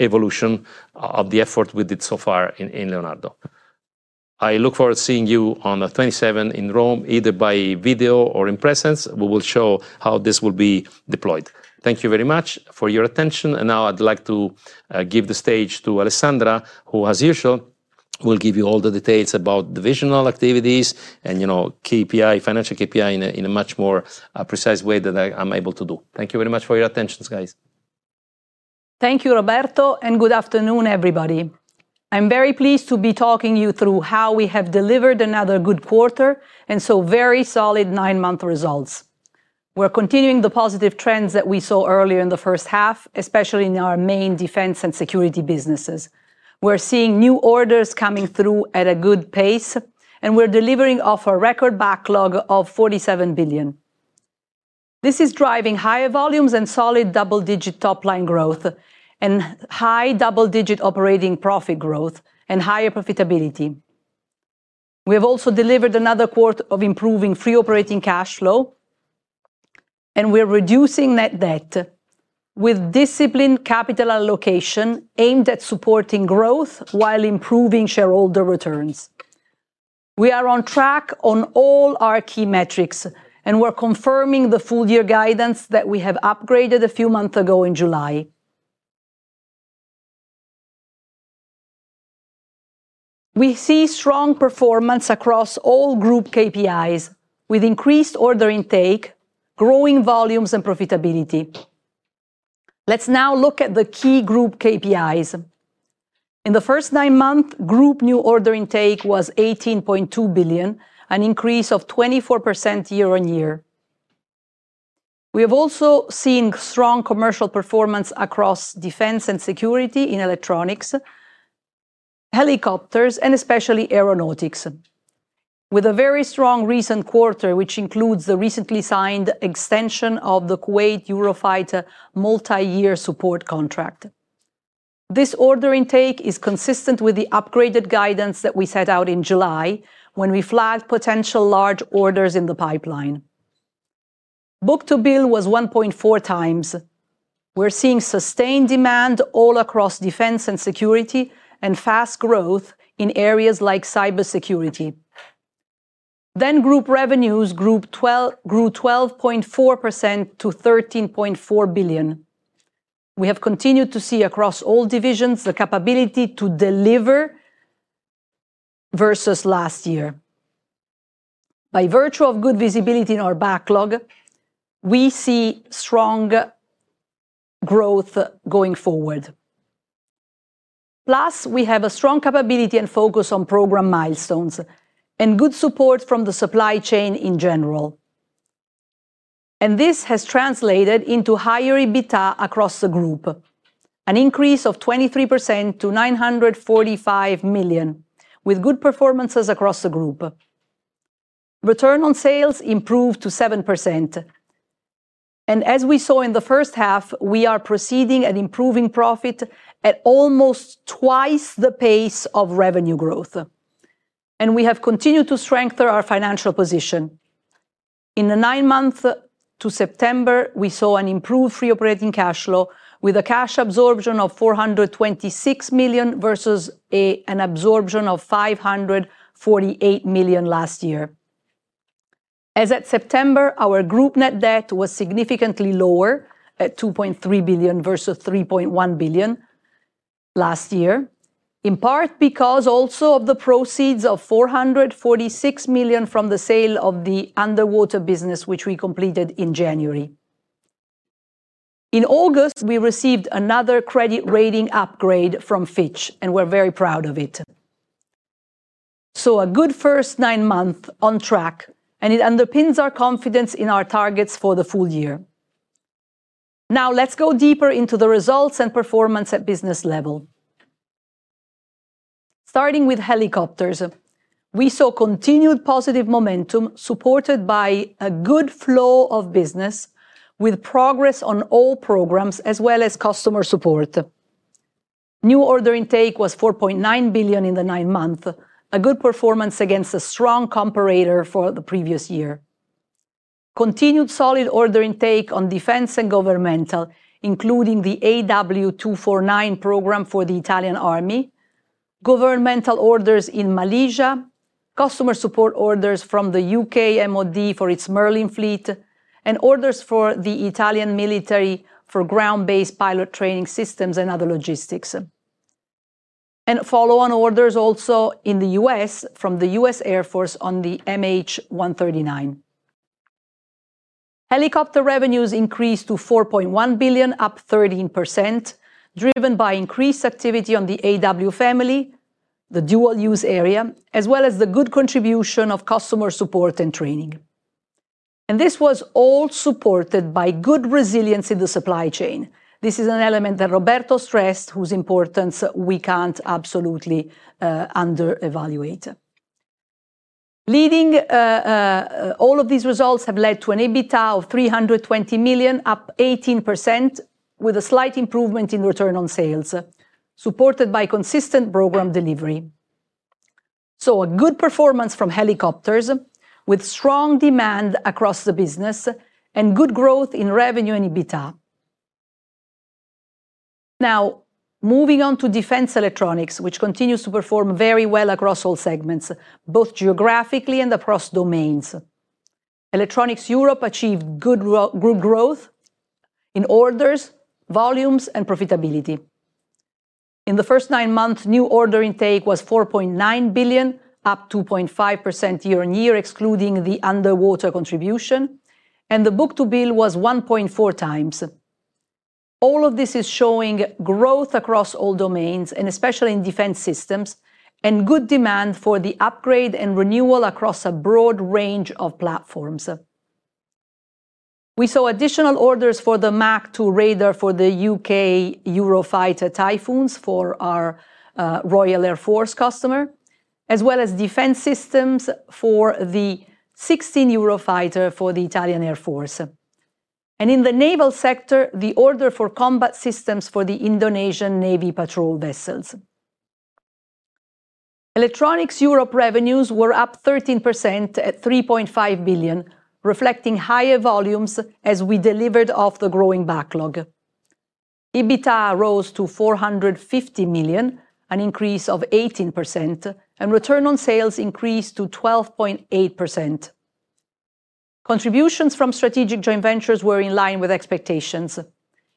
Evolution of the effort we did so far in Leonardo. I look forward to seeing you on the 27th in Rome, either by video or in presence. We will show how this will be deployed. Thank you very much for your attention. Now I'd like to give the stage to Alessandra, who, as usual, will give you all the details about the visional activities and financial KPI, in a much more precise way than I'm able to do. Thank you very much for your attention, guys. Thank you, Roberto, and good afternoon, everybody. I'm very pleased to be talking to you through how we have delivered another good quarter and so very solid nine-month results. We're continuing the positive trends that we saw earlier in the first half, especially in our main defense and security businesses. We're seeing new orders coming through at a good pace, and we're delivering off a record backlog of 47 billion. This is driving higher volumes and solid double-digit top-line growth and high double-digit operating profit growth and higher profitability. We have also delivered another quarter of improving free operating cash flow. We're reducing net debt with disciplined capital allocation aimed at supporting growth while improving shareholder returns. We are on track on all our key metrics, and we're confirming the full-year guidance that we have upgraded a few months ago in July. We see strong performance across all group KPIs with increased order intake, growing volumes, and profitability. Let's now look at the key group KPIs. In the first nine months, group new order intake was 18.2 billion, an increase of 24% year-on-year. We have also seen strong commercial performance across defense and security in electronics, helicopters, and especially aeronautics, with a very strong recent quarter, which includes the recently signed extension of the Kuwait Eurofighter multi-year support contract. This order intake is consistent with the upgraded guidance that we set out in July when we flagged potential large orders in the pipeline. Book to bill was 1.4x, we are seeing sustained demand all across defense and security and fast growth in areas like cybersecurity. Group revenues grew 12.4% to 13.4 billion. We have continued to see across all divisions the capability to deliver versus last year. By virtue of good visibility in our backlog, we see strong growth going forward. Plus, we have a strong capability and focus on program milestones and good support from the supply chain in general. This has translated into higher EBITDA across the group, an increase of 23% to 945 million, with good performances across the group. Return on sales improved to 7%. As we saw in the first half, we are proceeding at improving profit at almost twice the pace of revenue growth. We have continued to strengthen our financial position. In the nine months to September, we saw an improved free operating cash flow with a cash absorption of 426 million versus an absorption of 548 million last year. As at September, our group net debt was significantly lower at 2.3 billion versus 3.1 billion last year, in part because also of the proceeds of 446 million from the sale of the underwater business, which we completed in January. In August, we received another credit rating upgrade from Fitch, and we're very proud of it. A good first nine months on track, and it underpins our confidence in our targets for the full year. Now let's go deeper into the results and performance at business level. Starting with helicopters, we saw continued positive momentum supported by a good flow of business with progress on all programs as well as customer support. New order intake was 4.9 billion in the nine months, a good performance against a strong comparator for the previous year. Continued solid order intake on defense and governmental, including the AW249 program for the Italian Army, governmental orders in Malaysia, customer support orders from the U.K. MOD for its Merlin fleet, and orders for the Italian military for ground-based pilot training systems and other logistics. Follow-on orders also in the U.S. from the U.S. Air Force on the MH139. Helicopter revenues increased to 4.1 billion, up 13%, driven by increased activity on the AW family, the dual-use area, as well as the good contribution of customer support and training. This was all supported by good resilience in the supply chain. This is an element that Roberto stressed, whose importance we can't absolutely under-evaluate. Leading. All of these results have led to an EBITDA of 320 million, up 18%, with a slight improvement in return on sales, supported by consistent program delivery. A good performance from helicopters with strong demand across the business and good growth in revenue and EBITDA. Now, moving on to defense electronics, which continues to perform very well across all segments, both geographically and across domains. Electronics Europe achieved good growth in orders, volumes, and profitability. In the first nine months, new order intake was 4.9 billion, up 2.5% year-on-year, excluding the underwater contribution. The book to bill was 1.4x. All of this is showing growth across all domains, and especially in defense systems, and good demand for the upgrade and renewal across a broad range of platforms. We saw additional orders for the MACH 2 Radar for the U.K. Eurofighter Typhoons for our Royal Air Force customer, as well as defense systems for the 16 Eurofighter for the Italian Air Force. In the naval sector, the order for combat systems for the Indonesian Navy patrol vessels. Electronics Europe revenues were up 13% at 3.5 billion, reflecting higher volumes as we delivered off the growing backlog. EBITDA rose to 450 million, an increase of 18%, and return on sales increased to 12.8%. Contributions from strategic joint ventures were in line with expectations.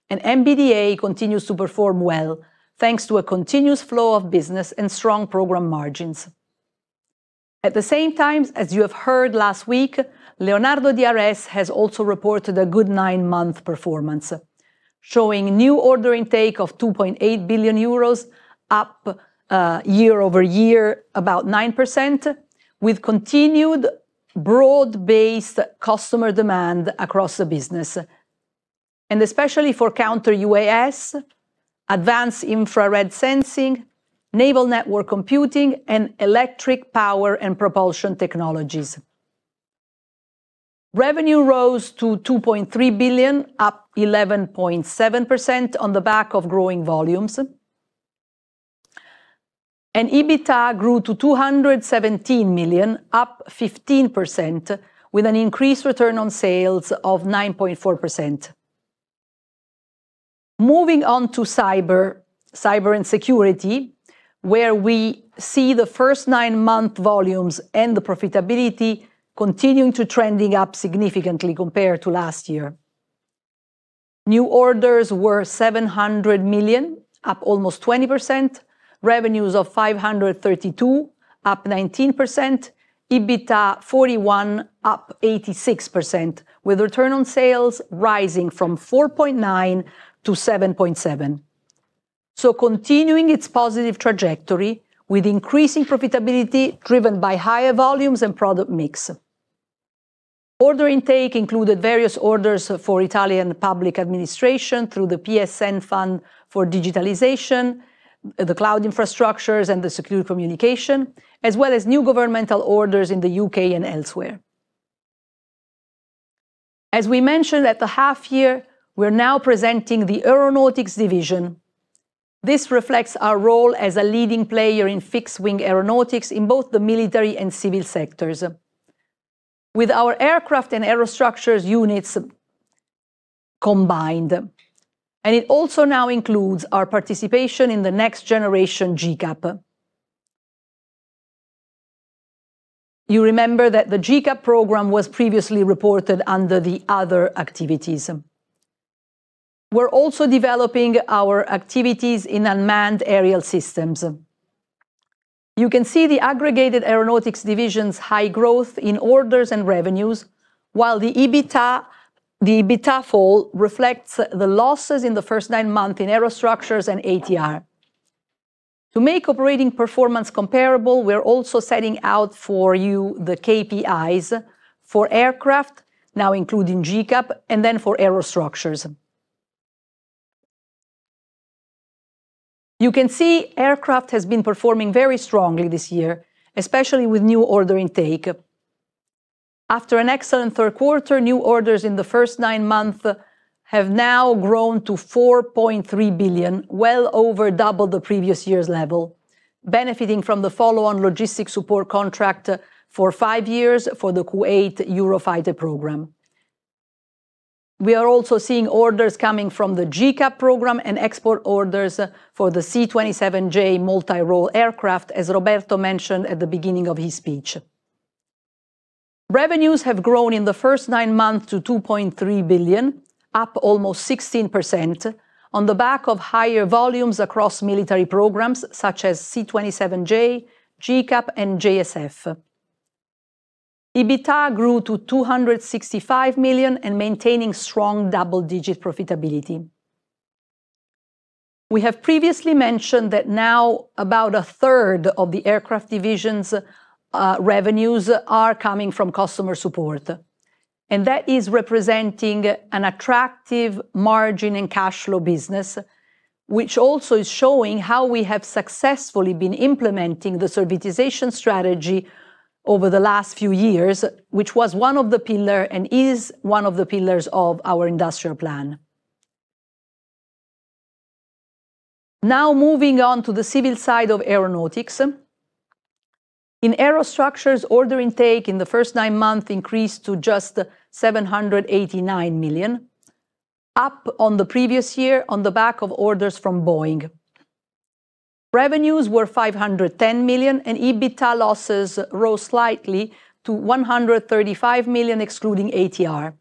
MBDA continues to perform well, thanks to a continuous flow of business and strong program margins. As you have heard last week, Leonardo DRS has also reported a good nine-month performance, showing new order intake of 2.8 billion euros, up year-over-year about 9%, with continued broad-based customer demand across the business, especially for counter UAS, advanced infrared sensing, naval network computing, and electric power and propulsion technologies. Revenue rose to 2.3 billion, up 11.7% on the back of growing volumes and EBITDA grew to 217 million, up 15%, with an increased return on sales of 9.4%. Moving on to cyber and security, where we see the first nine-month volumes and the profitability continuing to trend up significantly compared to last year. New orders were 700 million, up almost 20%, revenues of 532 million, up 19%, EBITDA 41 million, up 86%, with return on sales rising from 4.9%-7.7%. Continuing its positive trajectory with increasing profitability driven by higher volumes and product mix. Order intake included various orders for Italian public administration through the PSN fund for digitalization, the cloud infrastructures, and the secure communication, as well as new governmental orders in the U.K. and elsewhere. As we mentioned at the half year, we are now presenting the aeronautics division. This reflects our role as a leading player in fixed-wing aeronautics in both the military and civil sectors with our aircraft and aerostructures units combined. It also now includes our participation in the next-generation G-CAP. You remember that the G-CAP program was previously reported under the other activities. We are also developing our activities in unmanned aerial systems. You can see the aggregated aeronautics division's high growth in orders and revenues, while the EBITDA fall reflects the losses in the first nine months in aerostructures and ATR. To make operating performance comparable, we are also setting out for you the KPIs for aircraft, now including G-CAP, and then for aerostructures. You can see aircraft has been performing very strongly this year, especially with new order intake. After an excellent third quarter, new orders in the first nine months have now grown to 4.3 billion, well over double the previous year's level, benefiting from the follow-on logistics support contract for five years for the Kuwait Eurofighter program. We are also seeing orders coming from the G-CAP program and export orders for the C-27J multirole aircraft, as Roberto mentioned at the beginning of his speech. Revenues have grown in the first nine months to 2.3 billion, up almost 16%, on the back of higher volumes across military programs such as C-27J, G-CAP, and JSF. EBITDA grew to 265 million and maintaining strong double-digit profitability. We have previously mentioned that now about a third of the aircraft division's revenues are coming from customer support. That is representing an attractive margin and cash flow business, which also is showing how we have successfully been implementing the servitization strategy over the last few years, which was one of the pillars and is one of the pillars of our industrial plan. Now moving on to the civil side of aeronautics. In aerostructures, order intake in the first nine months increased to 789 million, up on the previous year on the back of orders from Boeing. Revenues were 510 million, and EBITDA losses rose slightly to 135 million excluding ATR.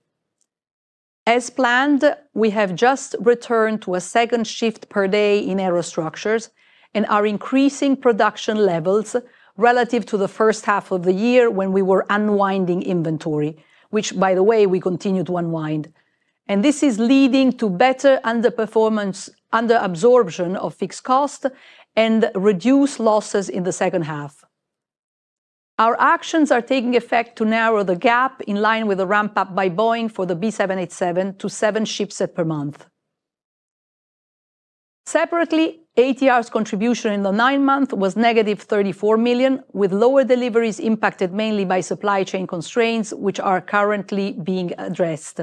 As planned, we have just returned to a second shift per day in aerostructures and are increasing production levels relative to the first half of the year when we were unwinding inventory, which, by the way, we continue to unwind. This is leading to better underperformance, underabsorption of fixed cost, and reduced losses in the second half. Our actions are taking effect to narrow the gap in line with the ramp-up by Boeing for the B787 to seven ships per month. Separately, ATR's contribution in the nine months was -34 million, with lower deliveries impacted mainly by supply chain constraints, which are currently being addressed.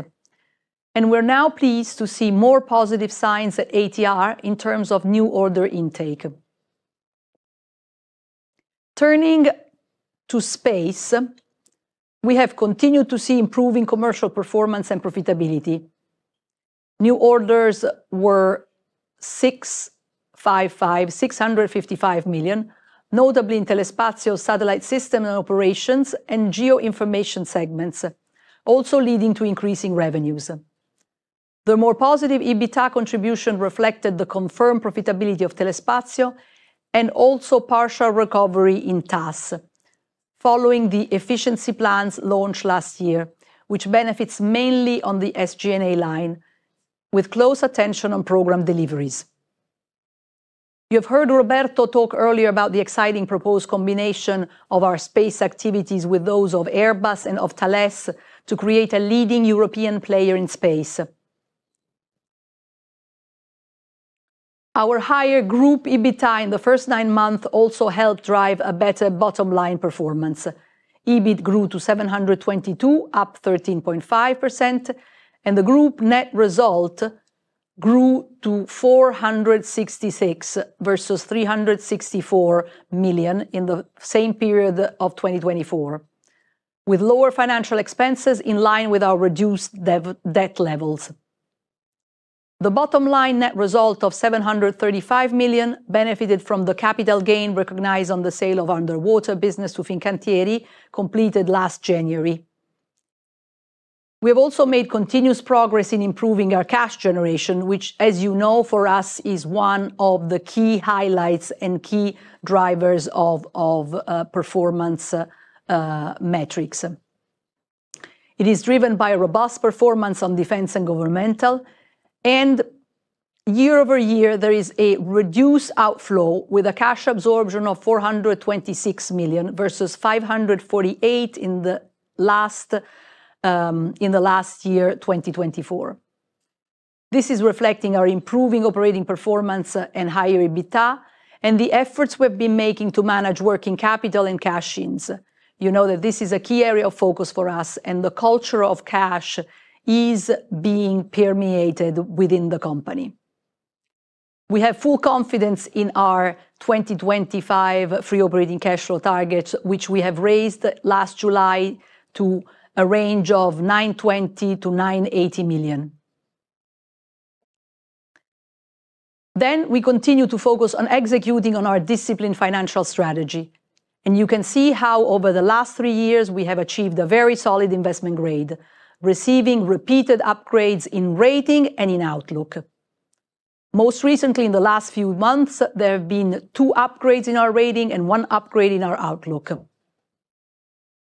We are now pleased to see more positive signs at ATR in terms of new order intake. Turning to space. We have continued to see improving commercial performance and profitability. New orders were 655 million, notably in Telespazio, satellite system and operations, and GEO information segments, also leading to increasing revenues. The more positive EBITDA contribution reflected the confirmed profitability of Telespazio and also partial recovery in TAS, following the efficiency plans launched last year, which benefits mainly on the SGNA line, with close attention on program deliveries. You have heard Roberto talk earlier about the exciting proposed combination of our space activities with those of Airbus and of Thales to create a leading European player in space. Our higher group EBITDA in the first nine months also helped drive a better bottom line performance. EBIT grew to 722 million, up 13.5%, and the group net result grew to 466 million versus 364 million in the same period of 2024 with lower financial expenses in line with our reduced debt levels. The bottom line net result of 735 million benefited from the capital gain recognized on the sale of underwater business within Cantieri completed last January. We have also made continuous progress in improving our cash generation, which, as you know, for us is one of the key highlights and key drivers of performance metrics. It is driven by robust performance on defense and governmental. Year-over-year, there is a reduced outflow with a cash absorption of 426 million versus 548 million in the last year, 2024. This is reflecting our improving operating performance and higher EBITDA and the efforts we've been making to manage working capital and cash yields. You know that this is a key area of focus for us, and the culture of cash is being permeated within the company. We have full confidence in our 2025 free operating cash flow targets, which we have raised last July to a range of 920 million-980 million. We continue to focus on executing on our disciplined financial strategy. You can see how over the last three years we have achieved a very solid investment grade, receiving repeated upgrades in rating and in outlook. Most recently, in the last few months, there have been two upgrades in our rating and one upgrade in our outlook.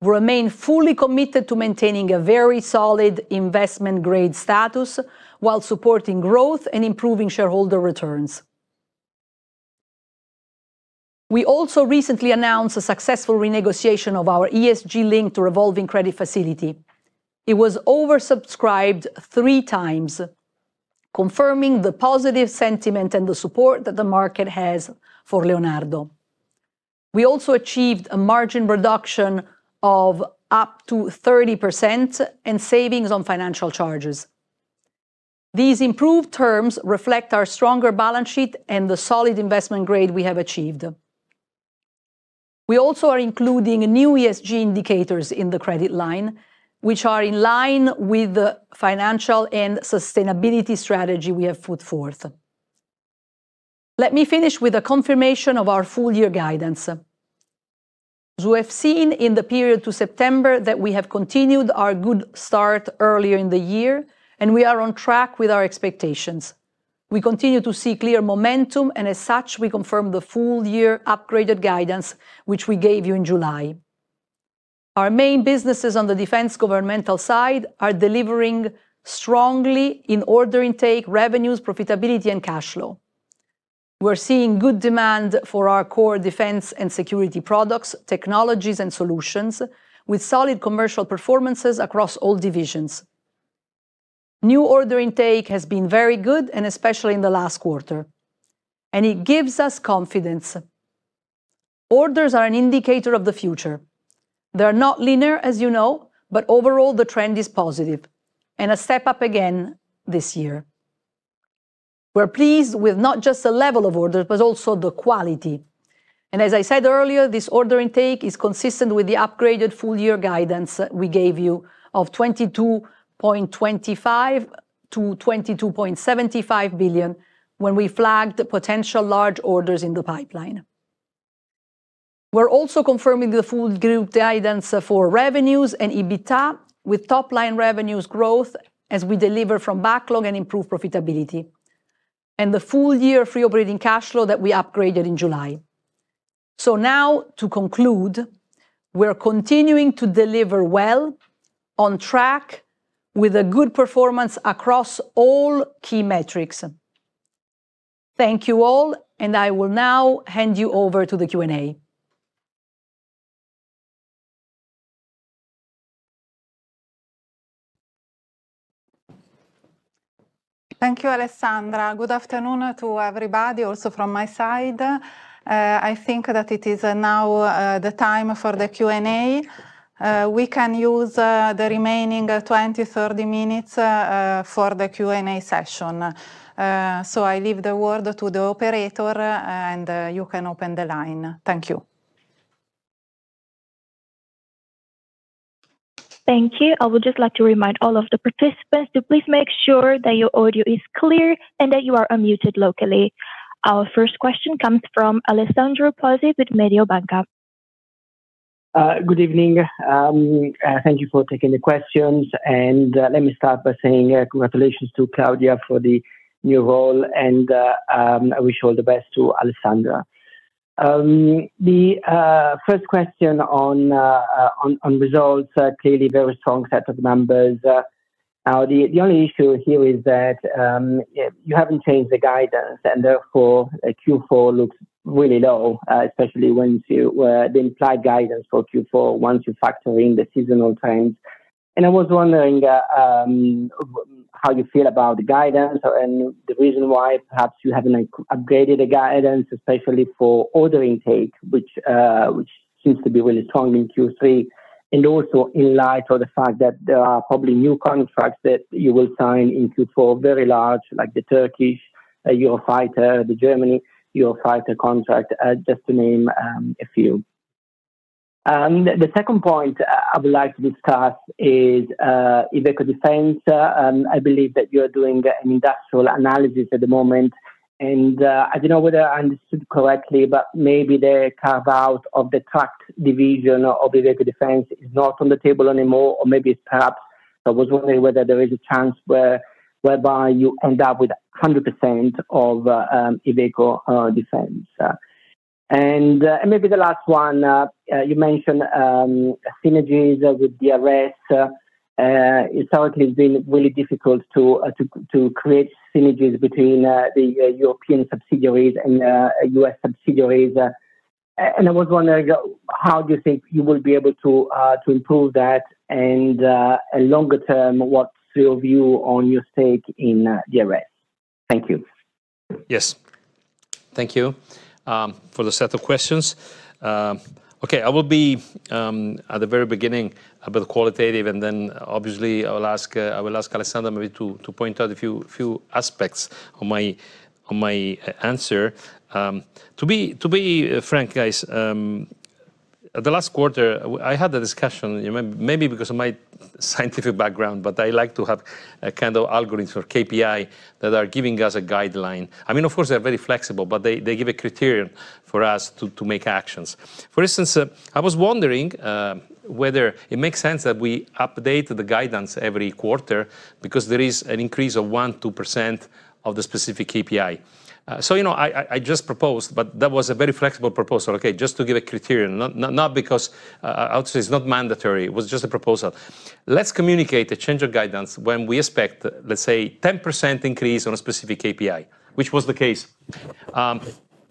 We remain fully committed to maintaining a very solid investment grade status while supporting growth and improving shareholder returns. We also recently announced a successful renegotiation of our ESG-linked revolving credit facility. It was oversubscribed three times confirming the positive sentiment and the support that the market has for Leonardo. We also achieved a margin reduction of up to 30% and savings on financial charges. These improved terms reflect our stronger balance sheet and the solid investment grade we have achieved. We also are including new ESG indicators in the credit line, which are in line with the financial and sustainability strategy we have put forth. Let me finish with a confirmation of our full year guidance. As we have seen in the period to September, we have continued our good start earlier in the year, and we are on track with our expectations. We continue to see clear momentum, and as such, we confirm the full year upgraded guidance, which we gave you in July. Our main businesses on the defense governmental side are delivering strongly in order intake, revenues, profitability, and cash flow. We're seeing good demand for our core defense and security products, technologies, and solutions, with solid commercial performances across all divisions. New order intake has been very good, especially in the last quarter. It gives us confidence. Orders are an indicator of the future. They are not linear, as you know, but overall, the trend is positive and a step up again this year. We're pleased with not just the level of orders, but also the quality. As I said earlier, this order intake is consistent with the upgraded full year guidance we gave you of 22.25 billion-22.75 billion when we flagged potential large orders in the pipeline. We're also confirming the full group guidance for revenues and EBITDA, with top-line revenues growth as we deliver from backlog and improve profitability, and the full year free operating cash flow that we upgraded in July. Now, to conclude, we are continuing to deliver well, on track with a good performance across all key metrics. Thank you all, and I will now hand you over to the Q&A. Thank you, Alessandra. Good afternoon to everybody, also from my side. I think that it is now the time for the Q&A. We can use the remaining 20, 30 minutes for the Q&A session. I leave the word to the operator, and you can open the line. Thank you. Thank you. I would just like to remind all of the participants to please make sure that your audio is clear and that you are unmuted locally. Our first question comes from Alessandro Pozzi with Mediobanca. Good evening. Thank you for taking the questions. Let me start by saying congratulations to Claudia for the new role, and I wish all the best to Alessandra. The first question on results, clearly very strong set of numbers. Now, the only issue here is that you haven't changed the guidance, and therefore Q4 looks really low, especially when you, the implied guidance for Q4, once you factor in the seasonal trends. I was wondering how you feel about the guidance and the reason why perhaps you haven't upgraded the guidance, especially for order intake, which seems to be really strong in Q3, and also in light of the fact that there are probably new contracts that you will sign in Q4, very large, like the Turkish Eurofighter, the German Eurofighter contract, just to name a few. The second point I would like to discuss is IVECO Defence. I believe that you are doing an industrial analysis at the moment. I do not know whether I understood correctly, but maybe the carve-out of the truck division of IVECO Defence is not on the table anymore, or maybe it's perhaps, I was wondering whether there is a chance whereby you end up with 100% of IVECO Defence. Maybe the last one, you mentioned synergies with DRS. Historically, it's been really difficult to create synergies between the European subsidiaries and U.S. subsidiaries. I was wondering, how do you think you will be able to improve that? Longer term, what's your view on your stake in DRS? Thank you. Yes. Thank you for the set of questions. Okay, I will be, at the very beginning, a bit qualitative, and then obviously I will ask Alessandra maybe to point out a few aspects of my answer. To be frank, guys, the last quarter, I had a discussion, you know, maybe because of my scientific background, but I like to have a kind of algorithms or KPIs that are giving us a guideline. I mean, of course, they're very flexible, but they give a criterion for us to make actions. For instance, I was wondering, whether it makes sense that we update the guidance every quarter because there is an increase of 1%-2% of the specific KPI. So, you know, I just proposed, but that was a very flexible proposal, okay, just to give a criterion, not because I'll say it's not mandatory, it was just a proposal. Let's communicate a change of guidance when we expect, let's say, a 10% increase on a specific KPI, which was the case.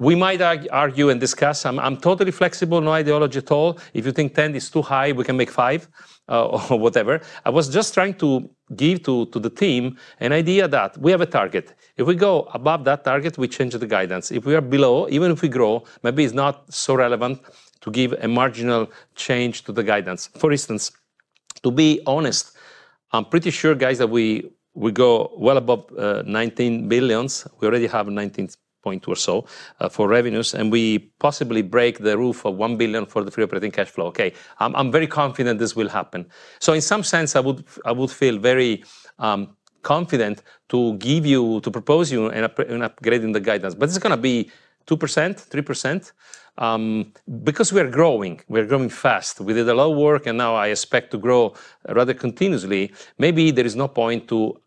We might argue and discuss, I'm totally flexible, no ideology at all. If you think 10 is too high, we can make five or whatever. I was just trying to give to the team an idea that we have a target. If we go above that target, we change the guidance. If we are below, even if we grow, maybe it is not so relevant to give a marginal change to the guidance. For instance, to be honest, I am pretty sure, guys, that we go well above 19 billion. We already have 19.2 billion or so for revenues, and we possibly break the roof of 1 billion for the free operating cash flow. Okay, I am very confident this will happen. In some sense, I would, I would feel very confident to give you, to propose you an upgrade in the guidance. It is going to be 2%, 3% because we are growing, we are growing fast. We did a lot of work, and now I expect to grow rather continuously. Maybe there is no point to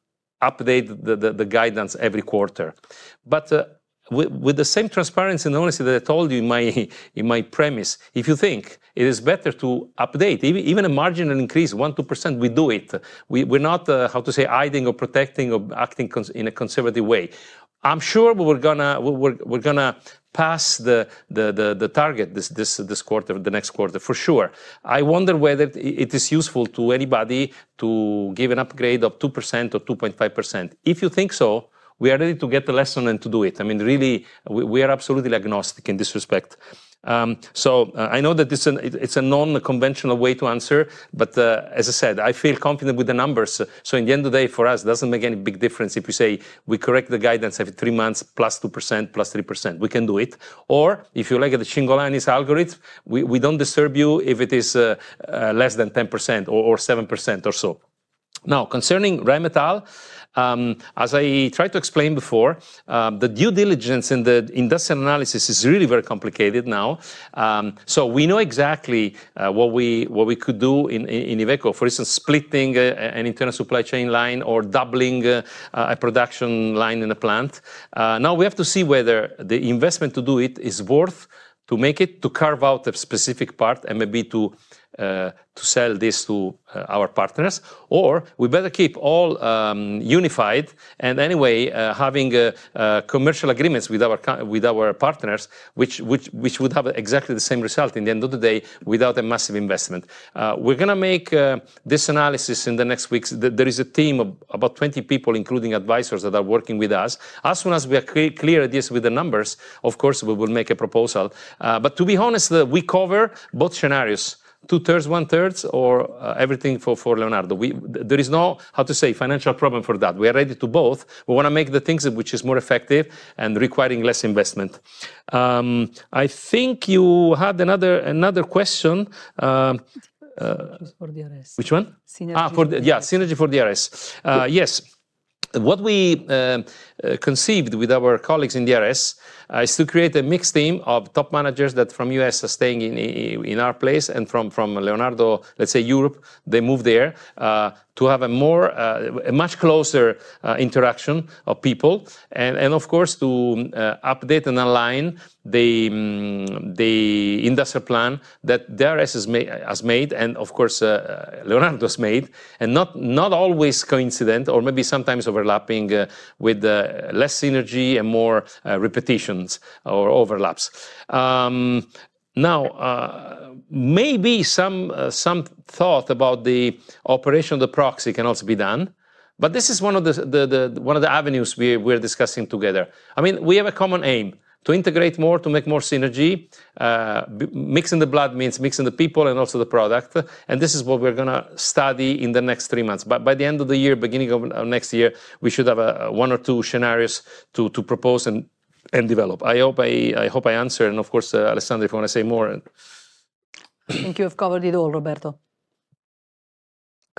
update the guidance every quarter. With the same transparency and honesty that I told you in my premise, if you think it is better to update, even a marginal increase, 1%, 2%, we do it. We're not, how to say, hiding or protecting or acting in a conservative way. I'm sure we're going to pass the target this quarter, the next quarter, for sure. I wonder whether it is useful to anybody to give an upgrade of 2% or 2.5%. If you think so, we are ready to get the lesson and to do it. I mean, really, we are absolutely agnostic in this respect. I know that it's a non-conventional way to answer, but as I said, I feel confident with the numbers. In the end of the day, for us, it doesn't make any big difference if you say we correct the guidance every three months, +2%, +3%. We can do it. Or if you look at the Cingolani's algorithm, we don't disturb you if it is less than 10% or 7% or so. Now, concerning Rheinmetall, as I tried to explain before, the due diligence in the industrial analysis is really very complicated now. We know exactly what we could do in IVECO, for instance, splitting an internal supply chain line or doubling a production line in a plant. Now we have to see whether the investment to do it is worth to make it, to carve out a specific part and maybe to sell this to our partners, or we better keep all unified and anyway, having commercial agreements with our partners, which would have exactly the same result in the end of the day without a massive investment. We're going to make this analysis in the next weeks. There is a team of about 20 people, including advisors, that are working with us. As soon as we are clear at this with the numbers, of course, we will make a proposal. To be honest, we cover both scenarios, two-thirds, one-third, or everything for Leonardo. There is no, how to say, financial problem for that. We are ready to both. We want to make the things which is more effective and requiring less investment. I think you had another question. Which one? Yeah, synergy for DRS. Yes. What we conceived with our colleagues in DRS is to create a mixed team of top managers that from U.S. are staying in our place and from Leonardo, let's say Europe, they move there, to have a much closer interaction of people. And, of course, to update and align the industrial plan that DRS has made, and, of course, Leonardo has made, and not always coincident or maybe sometimes overlapping with less synergy and more repetitions or overlaps. Now, maybe some thought about the operation of the proxy can also be done, but this is one of the avenues we're discussing together. I mean, we have a common aim to integrate more, to make more synergy. Mixing the blood means mixing the people and also the product. This is what we're going to study in the next three months. By the end of the year, beginning of next year, we should have one or two scenarios to propose and develop. I hope I answered. Of course, Alessandra, if you want to say more. Thank you. You've covered it all, Roberto.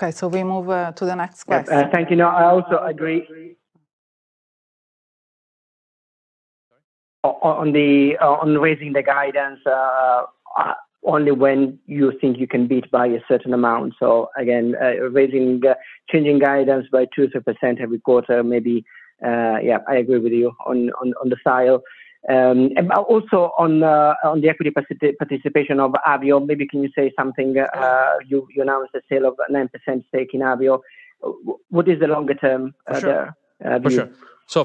Okay, we move to the next question. Thank you. I also agree. On raising the guidance, only when you think you can beat by a certain amount. Again, raising, changing guidance by 2%, 3% every quarter, maybe, yeah, I agree with you on the style and also on the equity participation of Avio, maybe can you say something? You, you announced a sale of 9% stake in Avio. What is the longer term? For sure.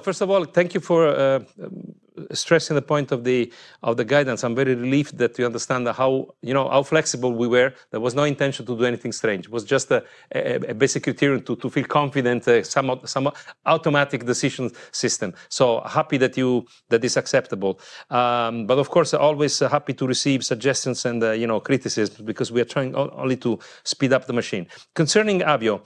First of all, thank you for stressing the point of the guidance. I'm very relieved that you understand how, you know, how flexible we were. There was no intention to do anything strange. It was just a basic criterion to, to feel confident, some, some automatic decision system. Happy that you, that it's acceptable. Of course, always happy to receive suggestions and, you know, criticisms because we are trying only to speed up the machine. Concerning Avio,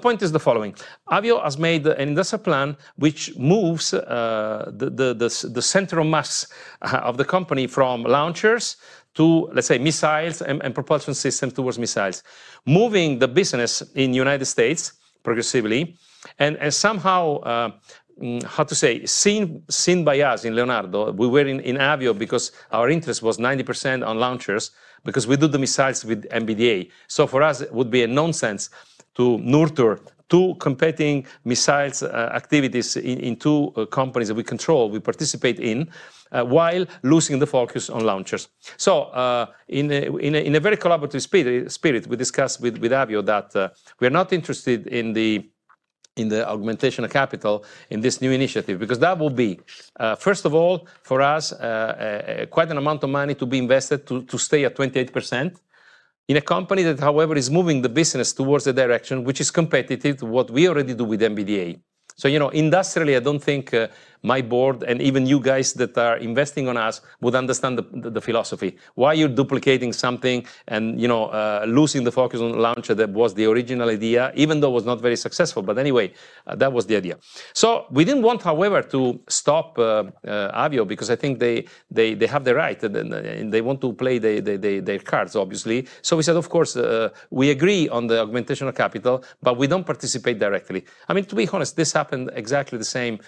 the point is the following. Avio has made an industrial plan which moves the center of mass of the company from launchers to, let's say, missiles and propulsion systems towards missiles, moving the business in the United States progressively. And somehow, how to say, seen by us in Leonardo, we were in Avio because our interest was 90% on launchers because we do the missiles with MBDA. For us, it would be a nonsense to nurture two competing missiles activities in two companies that we control, we participate in, while losing the focus on launchers. In a very collaborative spirit, we discussed with Avio that we are not interested in the augmentation of capital in this new initiative because that will be, first of all, for us, quite an amount of money to be invested to stay at 28% in a company that, however, is moving the business towards the direction which is competitive to what we already do with MBDA. You know, industrially, I don't think my board and even you guys that are investing on us would understand the philosophy. Why you're duplicating something and, you know, losing the focus on the launcher that was the original idea, even though it was not very successful. That was the idea. We didn't want, however, to stop Avio because I think they have the right and they want to play their cards, obviously. We said, of course, we agree on the augmentation of capital, but we do not participate directly. I mean, to be honest, this happened exactly the same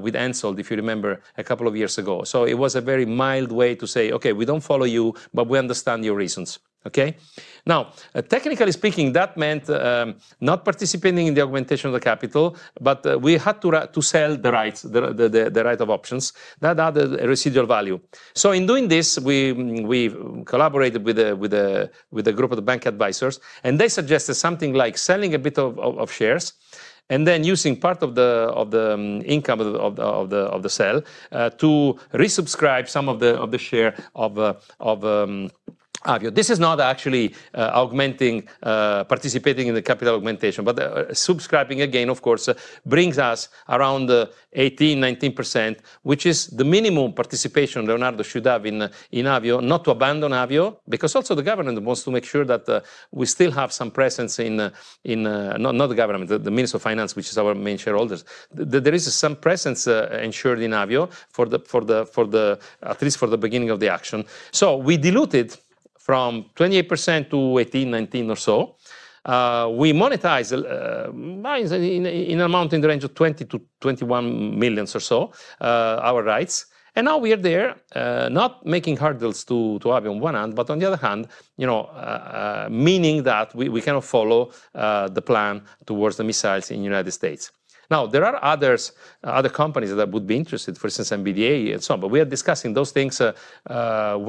with Hensoldt, if you remember, a couple of years ago. It was a very mild way to say, okay, we do not follow you, but we understand your reasons. Okay. Now, technically speaking, that meant not participating in the augmentation of the capital, but we had to sell the rights, the right of options, that other residual value. In doing this, we collaborated with a group of the bank advisors, and they suggested something like selling a bit of shares and then using part of the income of the sale to resubscribe some of the share of Avio. This is not actually participating in the capital augmentation, but subscribing again, of course, brings us around 18%, 19%, which is the minimum participation Leonardo should have in Avio, not to abandon Avio, because also the government wants to make sure that we still have some presence in, not the government, the Ministry of Finance, which is our main shareholder. There is some presence ensured in Avio for the, at least for the beginning of the action. We diluted from 28%-18%, 19% or so. We monetized, in an amount in the range of 20 million-21 million or so, our rights. And now we are there, not making hurdles to Avio on one hand, but on the other hand, you know, meaning that we kind of follow the plan towards the missiles in the United States. Now, there are others, other companies that would be interested, for instance, MBDA and so on, but we are discussing those things,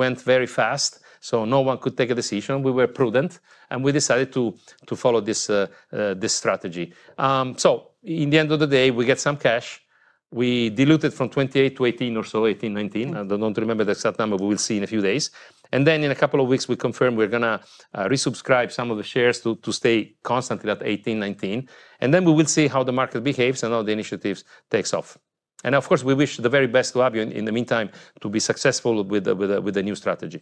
went very fast, so no one could take a decision. We were prudent, and we decided to follow this strategy. In the end of the day, we get some cash. We diluted from 28%-18% or so, 18%, 19%. I do not remember the exact number, we will see in a few days. In a couple of weeks, we confirm we are going to resubscribe some of the shares to stay constantly at 18%, 19%. We will see how the market behaves and how the initiatives take off. Of course, we wish the very best to Avio in the meantime to be successful with the new strategy.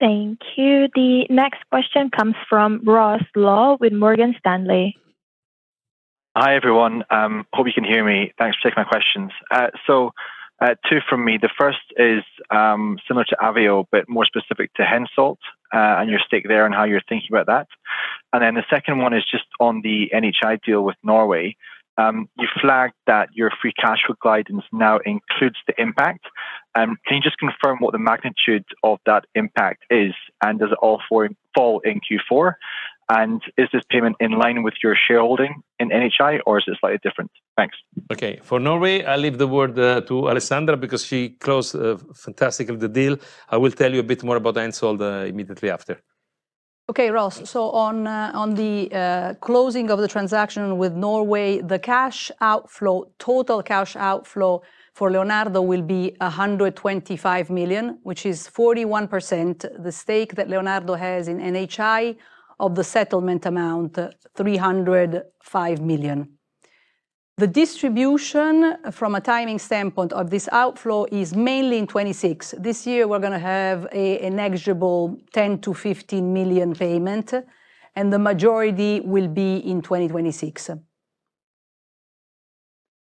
Thank you. The next question comes from Ross Law with Morgan Stanley. Hi everyone. Hope you can hear me. Thanks for taking my questions. So, two from me. The first is, similar to Avio, but more specific to Hensoldt and your stake there and how you're thinking about that. And then the second one is just on the NHI deal with Norway. You flagged that your free cash flow guidance now includes the impact. Can you just confirm what the magnitude of that impact is? And does it all fall in Q4? And is this payment in line with your shareholding in NHI, or is it slightly different? Thanks. Okay. For Norway, I'll leave the word to Alessandra because she closed fantastically the deal. I will tell you a bit more about Hensoldt immediately after. Okay, Ross. On the closing of the transaction with Norway, the total cash outflow for Leonardo will be 125 million, which is 41% the stake that Leonardo has in NHI of the settlement amount, 305 million. The distribution from a timing standpoint of this outflow is mainly in 2026. This year, we're going to have a negligible 10 million-15 million payment, and the majority will be in 2026.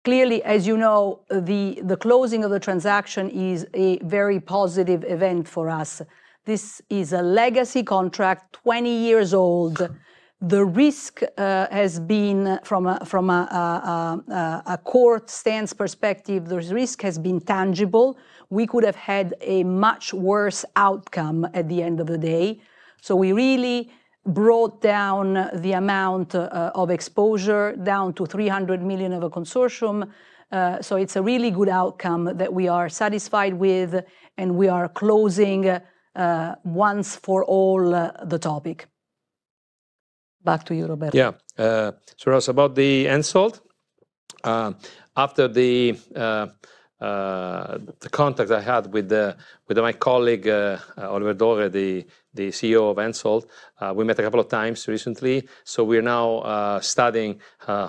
Clearly, as you know, the closing of the transaction is a very positive event for us. This is a legacy contract, 20 years old. From a court stance perspective the risk has been tangible. We could have had a much worse outcome at the end of the day. We really brought down the amount of exposure down to 300 million of a consortium. It's a really good outcome that we are satisfied with, and we are closing, once for all, the topic. Back to you, Roberto. Yeah. Ross, about the Hensoldt. After the contact I had with my colleague, Oliver Dorre, the CEO of Hensoldt, we met a couple of times recently. We're now studying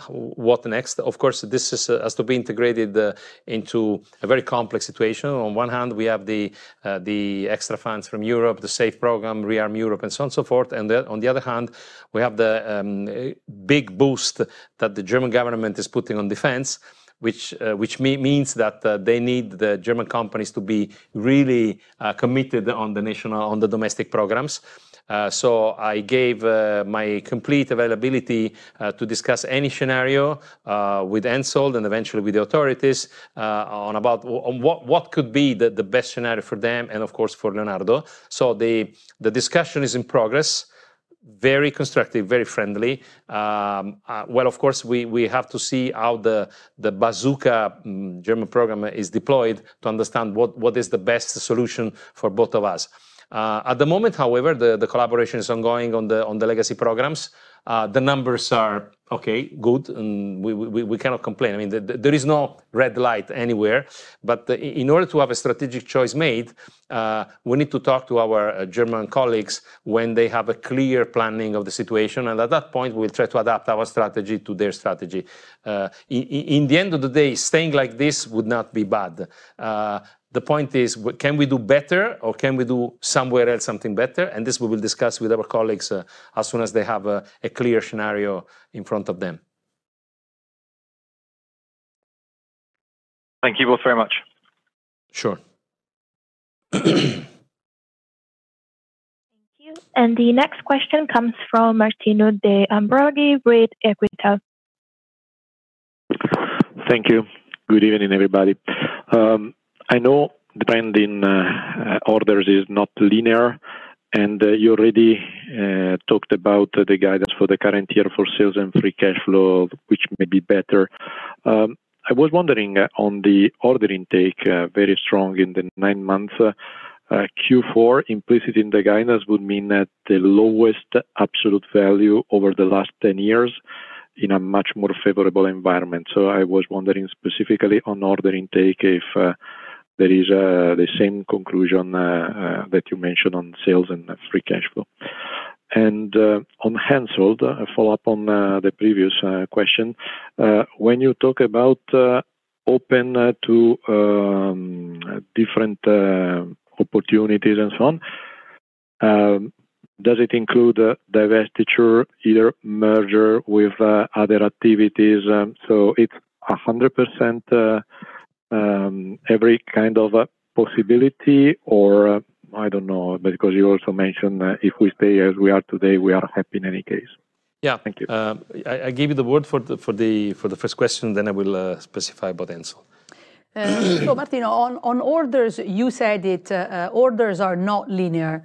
what next. Of course, this has to be integrated into a very complex situation. On one hand, we have the extra funds from Europe, the SAFE program, Rearm Europe, and so on and so forth. On the other hand, we have the big boost that the German government is putting on defense, which means that they need the German companies to be really committed on the national, on the domestic programs. I gave my complete availability to discuss any scenario with Hensoldt and eventually with the authorities about what could be the best scenario for them and of course for Leonardo. The discussion is in progress. Very constructive, very friendly. Of course, we have to see how the German Bazooka program is deployed to understand what is the best solution for both of us. At the moment, however, the collaboration is ongoing on the legacy programs. The numbers are okay, good, and we cannot complain. I mean, there is no red light anywhere, but in order to have a strategic choice made, we need to talk to our German colleagues when they have a clear planning of the situation. At that point, we will try to adapt our strategy to their strategy. In the end of the day, staying like this would not be bad. The point is, can we do better or can we do somewhere else something better and this we will discuss with our colleagues as soon as they have a clear scenario in front of them. Thank you both very much. Sure. Thank you. The next question comes from Martino De Ambroggi with Equita. Thank you. Good evening, everybody. I know the pending orders is not linear and you already talked about the guidance for the current year for sales and free cash flow, which may be better. I was wondering on the order intake, very strong in the nine months, Q4 implicit in the guidance would mean that the lowest absolute value over the last 10 years in a much more favorable environment. I was wondering specifically on order intake if there is the same conclusion that you mentioned on sales and free cash flow. On Hensoldt, a follow-up on the previous question, when you talk about open to different opportunities and so on, does it include divestiture, either merger with other activities? So it's 100%, every kind of possibility, or I don't know, because you also mentioned that if we stay as we are today, we are happy in any case. Thank you. I give you the word for the first question, then I will specify about Hensoldt. Martino, on orders, you said it, orders are not linear.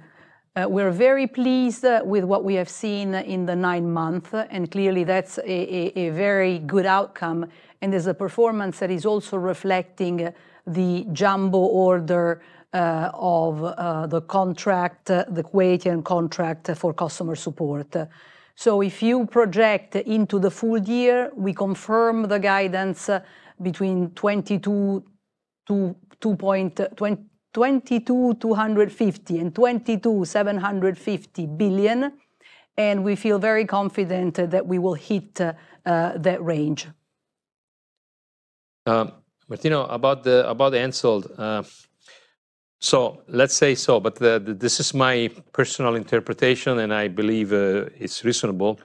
We're very pleased with what we have seen in the nine months, and clearly that's a very good outcome. There's a performance that is also reflecting the jumbo order, the contract, the Kuwaiti contract for customer support. If you project into the full year, we confirm the guidance between 22.25 billion-22.75 billion. We feel very confident that we will hit that range. Martino, about Hensoldt. Let's say so, but this is my personal interpretation and I believe it's reasonable.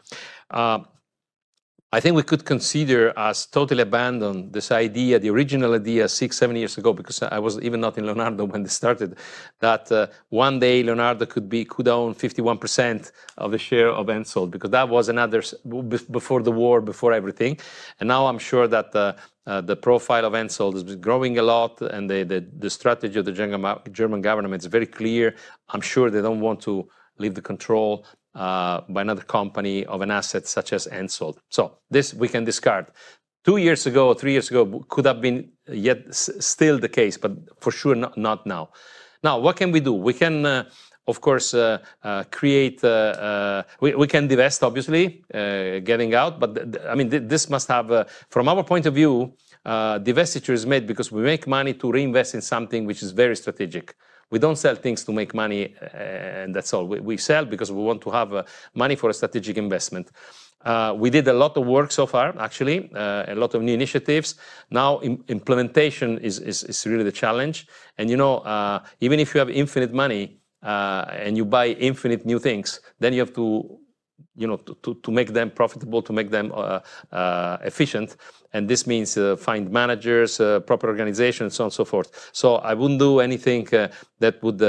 I think we could consider as totally abandoned this idea, the original idea six, seven years ago, because I was even not in Leonardo when they started, that one day Leonardo could own 51% of the share of Hensoldt because that was another before the war, before everything. Now I'm sure that the profile of Hensoldt has been growing a lot and the strategy of the German government is very clear. I'm sure they don't want to leave the control, by another company of an asset such as Hensoldt. This we can discard. Two years ago, three years ago could have been yet still the case, but for sure not now. Now, what can we do? We can, of course, create, we can divest, obviously, getting out, but I mean, this must have, from our point of view, divestiture is made because we make money to reinvest in something which is very strategic. We don't sell things to make money, and that's all. We sell because we want to have money for a strategic investment. We did a lot of work so far, actually, a lot of new initiatives. Now implementation is really the challenge. You know, even if you have infinite money, and you buy infinite new things, then you have to, you know, to make them profitable, to make them efficient. This means find managers, proper organizations, so on and so forth. I would not do anything that would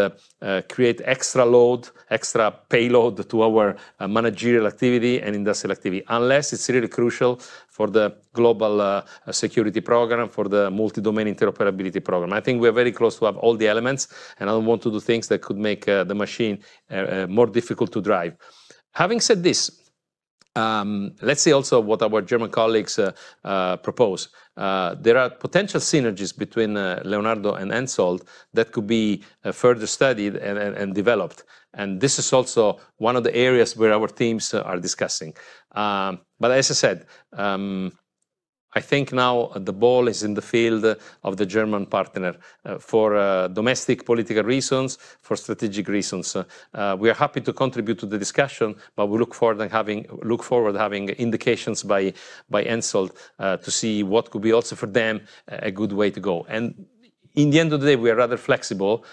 create extra load, extra payload to our managerial activity and industrial activity, unless it is really crucial for the global security program, for the multi-domain interoperability program. I think we are very close to have all the elements, and I do not want to do things that could make the machine more difficult to drive. Having said this, let's say also what our German colleagues propose. There are potential synergies between Leonardo and Hensoldt that could be further studied and developed. This is also one of the areas where our teams are discussing. But as I said, I think now the ball is in the field of the German partner for domestic political reasons, for strategic reasons. We are happy to contribute to the discussion, but we look forward to having indications by Hensoldt to see what could be also for them a good way to go. In the end of the day, we are rather flexible.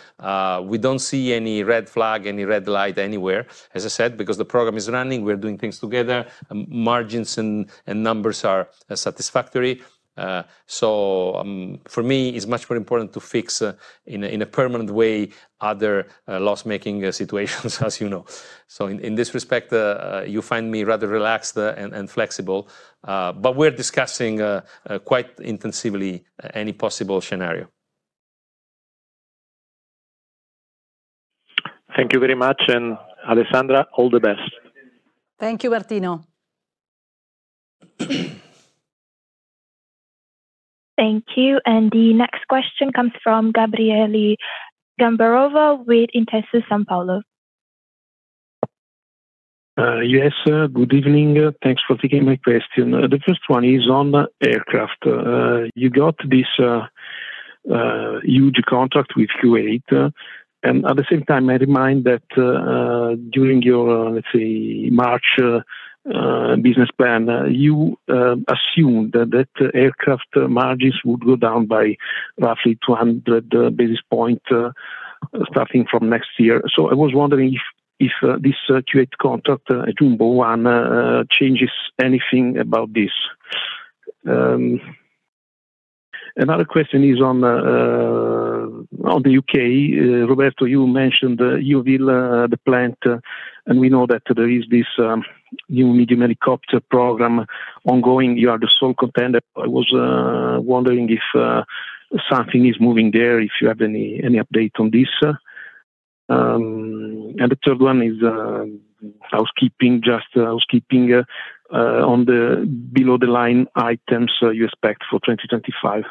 We do not see any red flag, any red light anywhere, as I said, because the program is running, we are doing things together, margins and numbers are satisfactory. For me, it is much more important to fix in a permanent way other loss-making situations, as you know. In this respect, you find me rather relaxed and flexible. We are discussing quite intensively any possible scenario. Thank you very much. And Alessandra, all the best. Thank you, Martino. Thank you. The next question comes from Gabriele Gambarova with Intesa Sanpaolo. Yes, good evening. Thanks for taking my question. The first one is on aircraft. You got this huge contract with Kuwait. At the same time, I remind that during your, let's say, March business plan, you assumed that aircraft margins would go down by roughly 200 basis points starting from next year. I was wondering if this Kuwait contract, a jumbo one, changes anything about this. Another question is on the U.K. Roberto, you mentioned Yeovil, the plant, and we know that there is this new medium helicopter program ongoing. You are the sole contender. I was wondering if something is moving there, if you have any update on this. The third one is housekeeping, just housekeeping, on the below the line items you expect for 2025.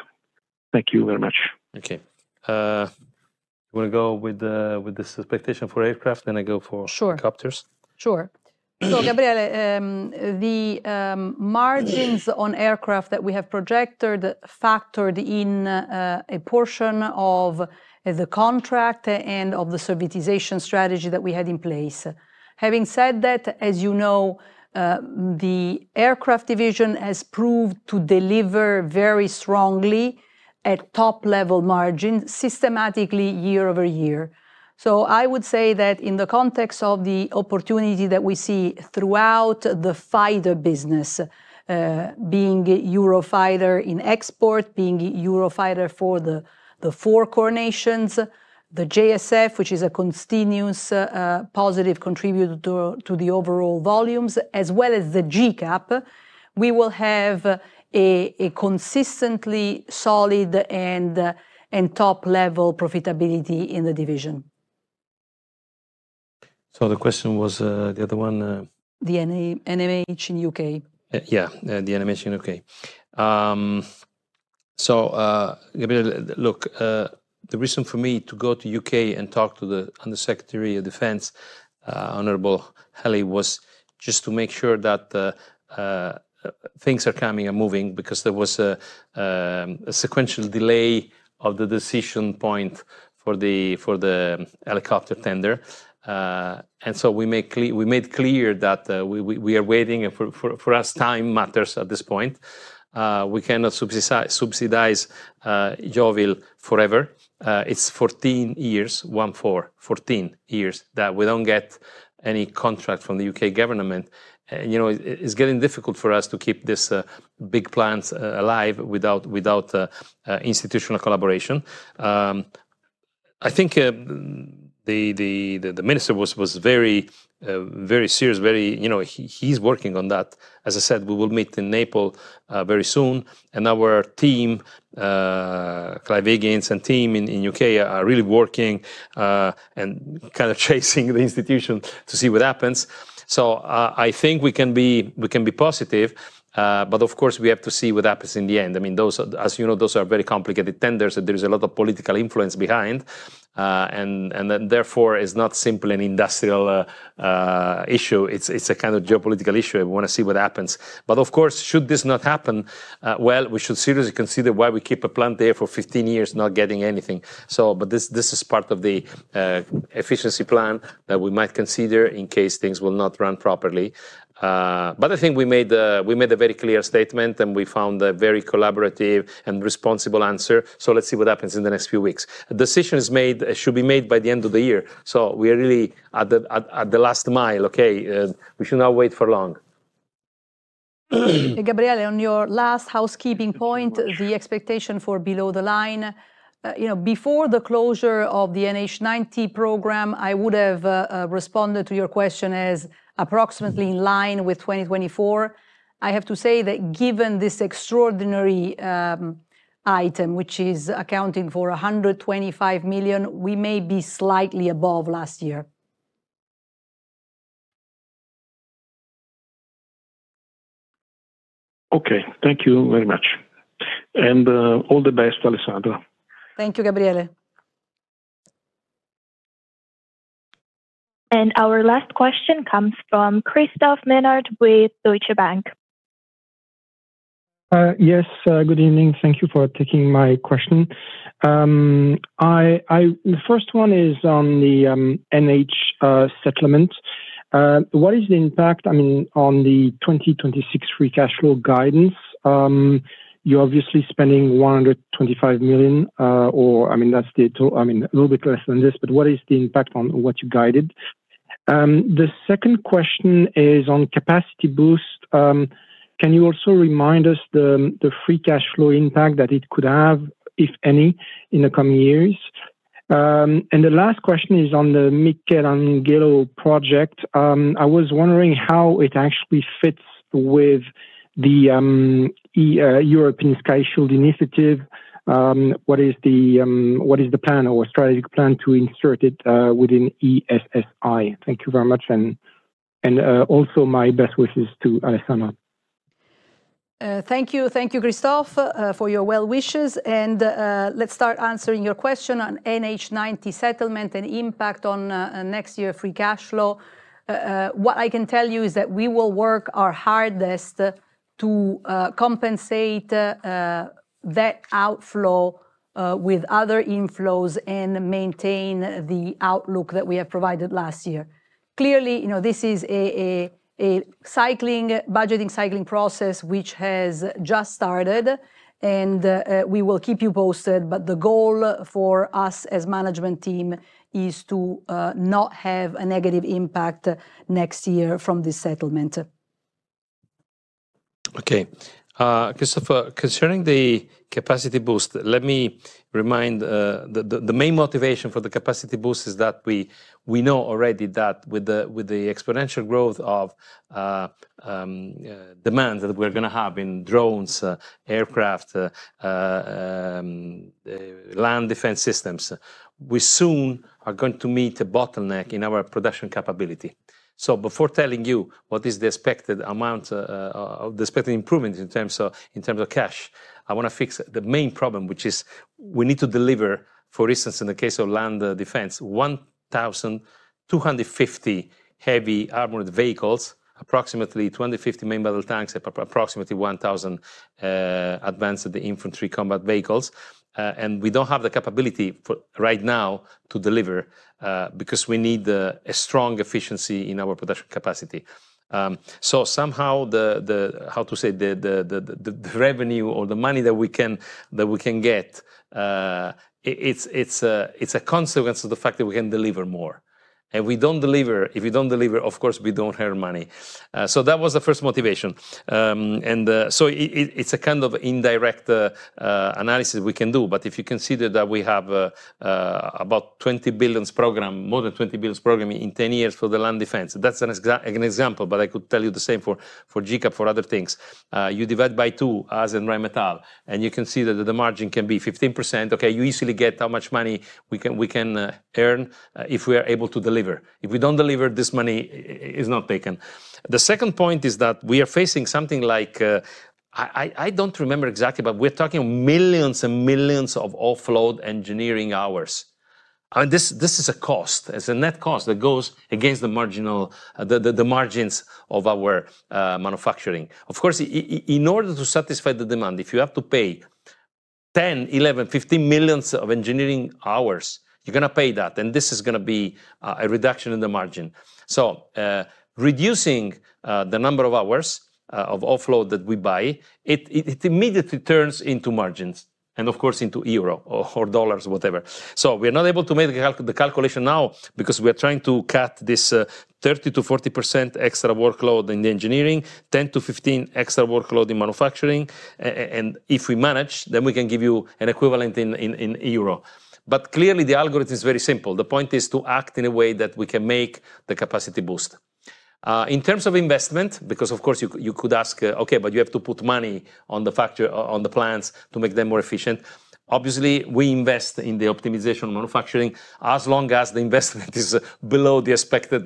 Thank you very much. Okay. You want to go with this expectation for aircraft and I go for helicopters? Sure. Sure. So, Gabriele, the margins on aircraft that we have projected factored in a portion of the contract and of the servitization strategy that we had in place. Having said that, as you know, the aircraft division has proved to deliver very strongly at top-level margin systematically year-over-year. I would say that in the context of the opportunity that we see throughout the fighter business, being Eurofighter in export, being Eurofighter for the four core nations, the JSF, which is a continuous, positive contributor to the overall volumes, as well as the G-CAP, we will have a consistently solid and top-level profitability in the division. The question was, the other one? The NMH in the U.K. Yeah, the NMH in the U.K. Gabriele, look, the reason for me to go to the U.K. and talk to the Undersecretary of Defense, Honorable Halley, was just to make sure that things are coming and moving because there was a sequential delay of the decision point for the helicopter tender. We made clear that we are waiting, for us time matters at this point. We cannot subsidize Yeovil forever. It's 14 years, one four, 14 years that we don't get any contract from the U.K. government. And, you know, it's getting difficult for us to keep these big plants alive without institutional collaboration. I think the minister was very, very serious, very, you know, he's working on that. As I said, we will meet in Naples very soon. Our team, Clive Higgins and team in the U.K., are really working, and kind of chasing the institution to see what happens. I think we can be, we can be positive, but of course we have to see what happens in the end. I mean, as you know, those are very complicated tenders and there's a lot of political influence behind, and therefore it's not simply an industrial issue. It's a kind of geopolitical issue. We want to see what happens. Of course, should this not happen, we should seriously consider why we keep a plant there for 15 years not getting anything. This is part of the efficiency plan that we might consider in case things will not run properly. I think we made a very clear statement and we found a very collaborative and responsible answer. Let's see what happens in the next few weeks. A decision should be made by the end of the year. We are really at the last mile, okay? We should not wait for long. Gabriele, on your last housekeeping point, the expectation for below the line, you know, before the closure of the NH90 program, I would have responded to your question as approximately in line with 2024. I have to say that given this extraordinary item, which is accounting for 125 million, we may be slightly above last year. Okay, thank you very much. All the best, Alessandra. Thank you, Gabriele. Our last question comes from Christophe Menard with Deutsche Bank. Yes, good evening. Thank you for taking my question. The first one is on the NHI settlement. What is the impact, I mean, on the 2026 free cash flow guidance? You're obviously spending 125 million, or I mean, that's the total, I mean, a little bit less than this, but what is the impact on what you guided? The second question is on capacity boost. Can you also remind us the free cash flow impact that it could have, if any, in the coming years? The last question is on the Michelangelo project. I was wondering how it actually fits with the European Sky Shield initiative. What is the plan or strategic plan to insert it within ESSI? Thank you very much. Also, my best wishes to Alessandra. Thank you. Thank you, Christophe, for your well wishes. Let's start answering your question on NH90 settlement and impact on next year free cash flow. What I can tell you is that we will work our hardest to compensate that outflow with other inflows and maintain the outlook that we have provided last year. Clearly, you know, this is a budgeting cycling process which has just started. We will keep you posted, but the goal for us as management team is to not have a negative impact next year from this settlement. Okay. Christophe, concerning the capacity boost, let me remind the main motivation for the capacity boost is that we know already that with the exponential growth of demand that we're going to have in drones, aircraft, land defense systems, we soon are going to meet a bottleneck in our production capability. Before telling you what is the expected improvement in terms of cash, I want to fix the main problem, which is we need to deliver, for instance, in the case of land defense, 1,250 heavy armored vehicles, approximately 250 main battle tanks, approximately 1,000 advanced infantry combat vehicles. We do not have the capability for right now to deliver, because we need a strong efficiency in our production capacity. Somehow, the revenue or the money that we can get, it is a consequence of the fact that we can deliver more. If we do not deliver, of course, we do not have money. That was the first motivation. It is a kind of indirect analysis we can do. If you consider that we have about 20 billion program, more than 20 billion program in 10 years for the land defense, that's an example, but I could tell you the same for GCAP, for other things. You divide by two as in Rheinmetall, and you can see that the margin can be 15%. You easily get how much money we can earn if we are able to deliver. If we don't deliver, this money is not taken. The second point is that we are facing something like, I don't remember exactly, but we're talking millions and millions of offload engineering hours. This is a cost, it's a net cost that goes against the margins of our manufacturing. Of course, in order to satisfy the demand, if you have to pay 10million, 11 million, 15 millions of engineering hours, you're going to pay that. This is going to be a reduction in the margin. Reducing the number of hours of offload that we buy, it immediately turns into margins and of course into euro or dollars, whatever. We are not able to make the calculation now because we are trying to cut this 30%-40% extra workload in the engineering, 10%-15% extra workload in manufacturing. If we manage, then we can give you an equivalent in euro. Clearly the algorithm is very simple. The point is to act in a way that we can make the capacity boost. In terms of investment, because of course you could ask, okay, but you have to put money on the factory, on the plants to make them more efficient. Obviously, we invest in the optimization of manufacturing as long as the investment is below the expected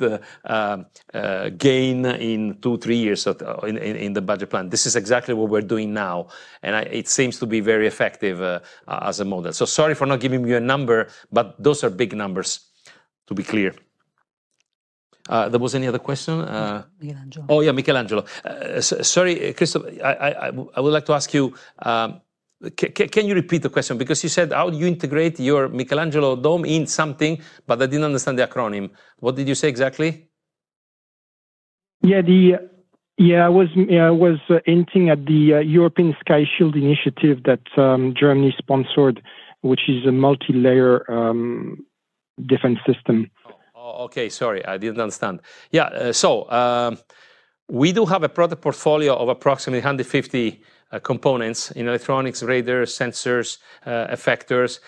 gain in two, three years in the budget plan. This is exactly what we're doing now. It seems to be very effective as a model. Sorry for not giving you a number, but those are big numbers to be clear. Was there any other question? Oh yeah, Michelangelo. Sorry, Christophe, I would like to ask you, can you repeat the question? Because you said how do you integrate your Michelangelo Dome in something, but I didn't understand the acronym. What did you say exactly? Yeah, I was hinting at the European Sky Shield initiative that Germany sponsored, which is a multi-layer defense system. Oh, okay. Sorry, I didn't understand. Yeah. We do have a product portfolio of approximately 150 components in electronics, radar, sensors, effectors,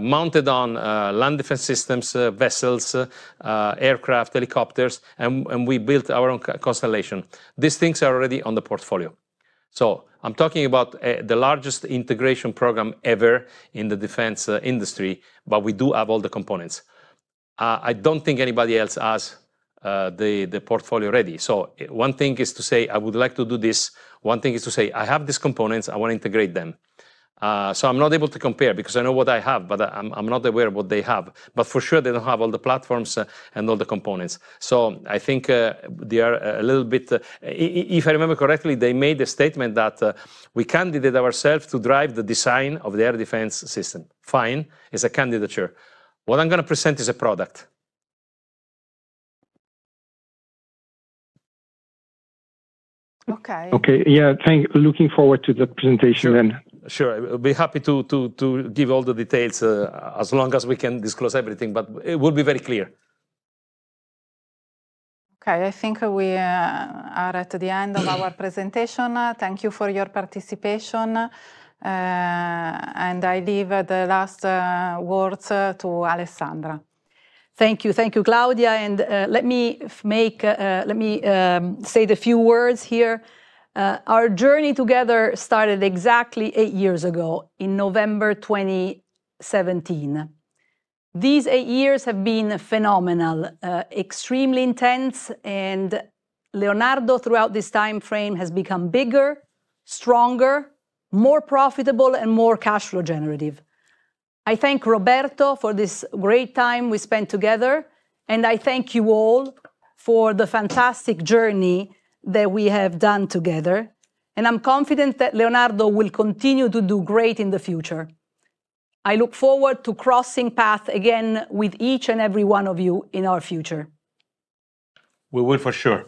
mounted on land defense systems, vessels, aircraft, helicopters, and we built our own constellation. These things are already on the portfolio. I'm talking about the largest integration program ever in the defense industry, but we do have all the components. I don't think anybody else has the portfolio ready. One thing is to say, I would like to do this. One thing is to say, I have these components, I want to integrate them. I'm not able to compare because I know what I have, but I'm not aware of what they have. For sure, they don't have all the platforms and all the components. I think they are a little bit, if I remember correctly, they made a statement that we candidate ourselves to drive the design of their defense system. Fine. It's a candidature. What I'm going to present is a product. Okay. Thank you. Looking forward to the presentation then. Sure. We'll be happy to give all the details as long as we can disclose everything, but it will be very clear. I think we are at the end of our presentation. Thank you for your participation. I leave the last words to Alessandra. Thank you. Thank you, Claudia. Let me say a few words here. Our journey together started exactly eight years ago in November 2017. These eight years have been phenomenal, extremely intense, and Leonardo throughout this timeframe has become bigger, stronger, more profitable, and more cash flow generative. I thank Roberto for this great time we spent together, and I thank you all for the fantastic journey that we have done together. I am confident that Leonardo will continue to do great in the future. I look forward to crossing paths again with each and every one of you in our future. We will for sure.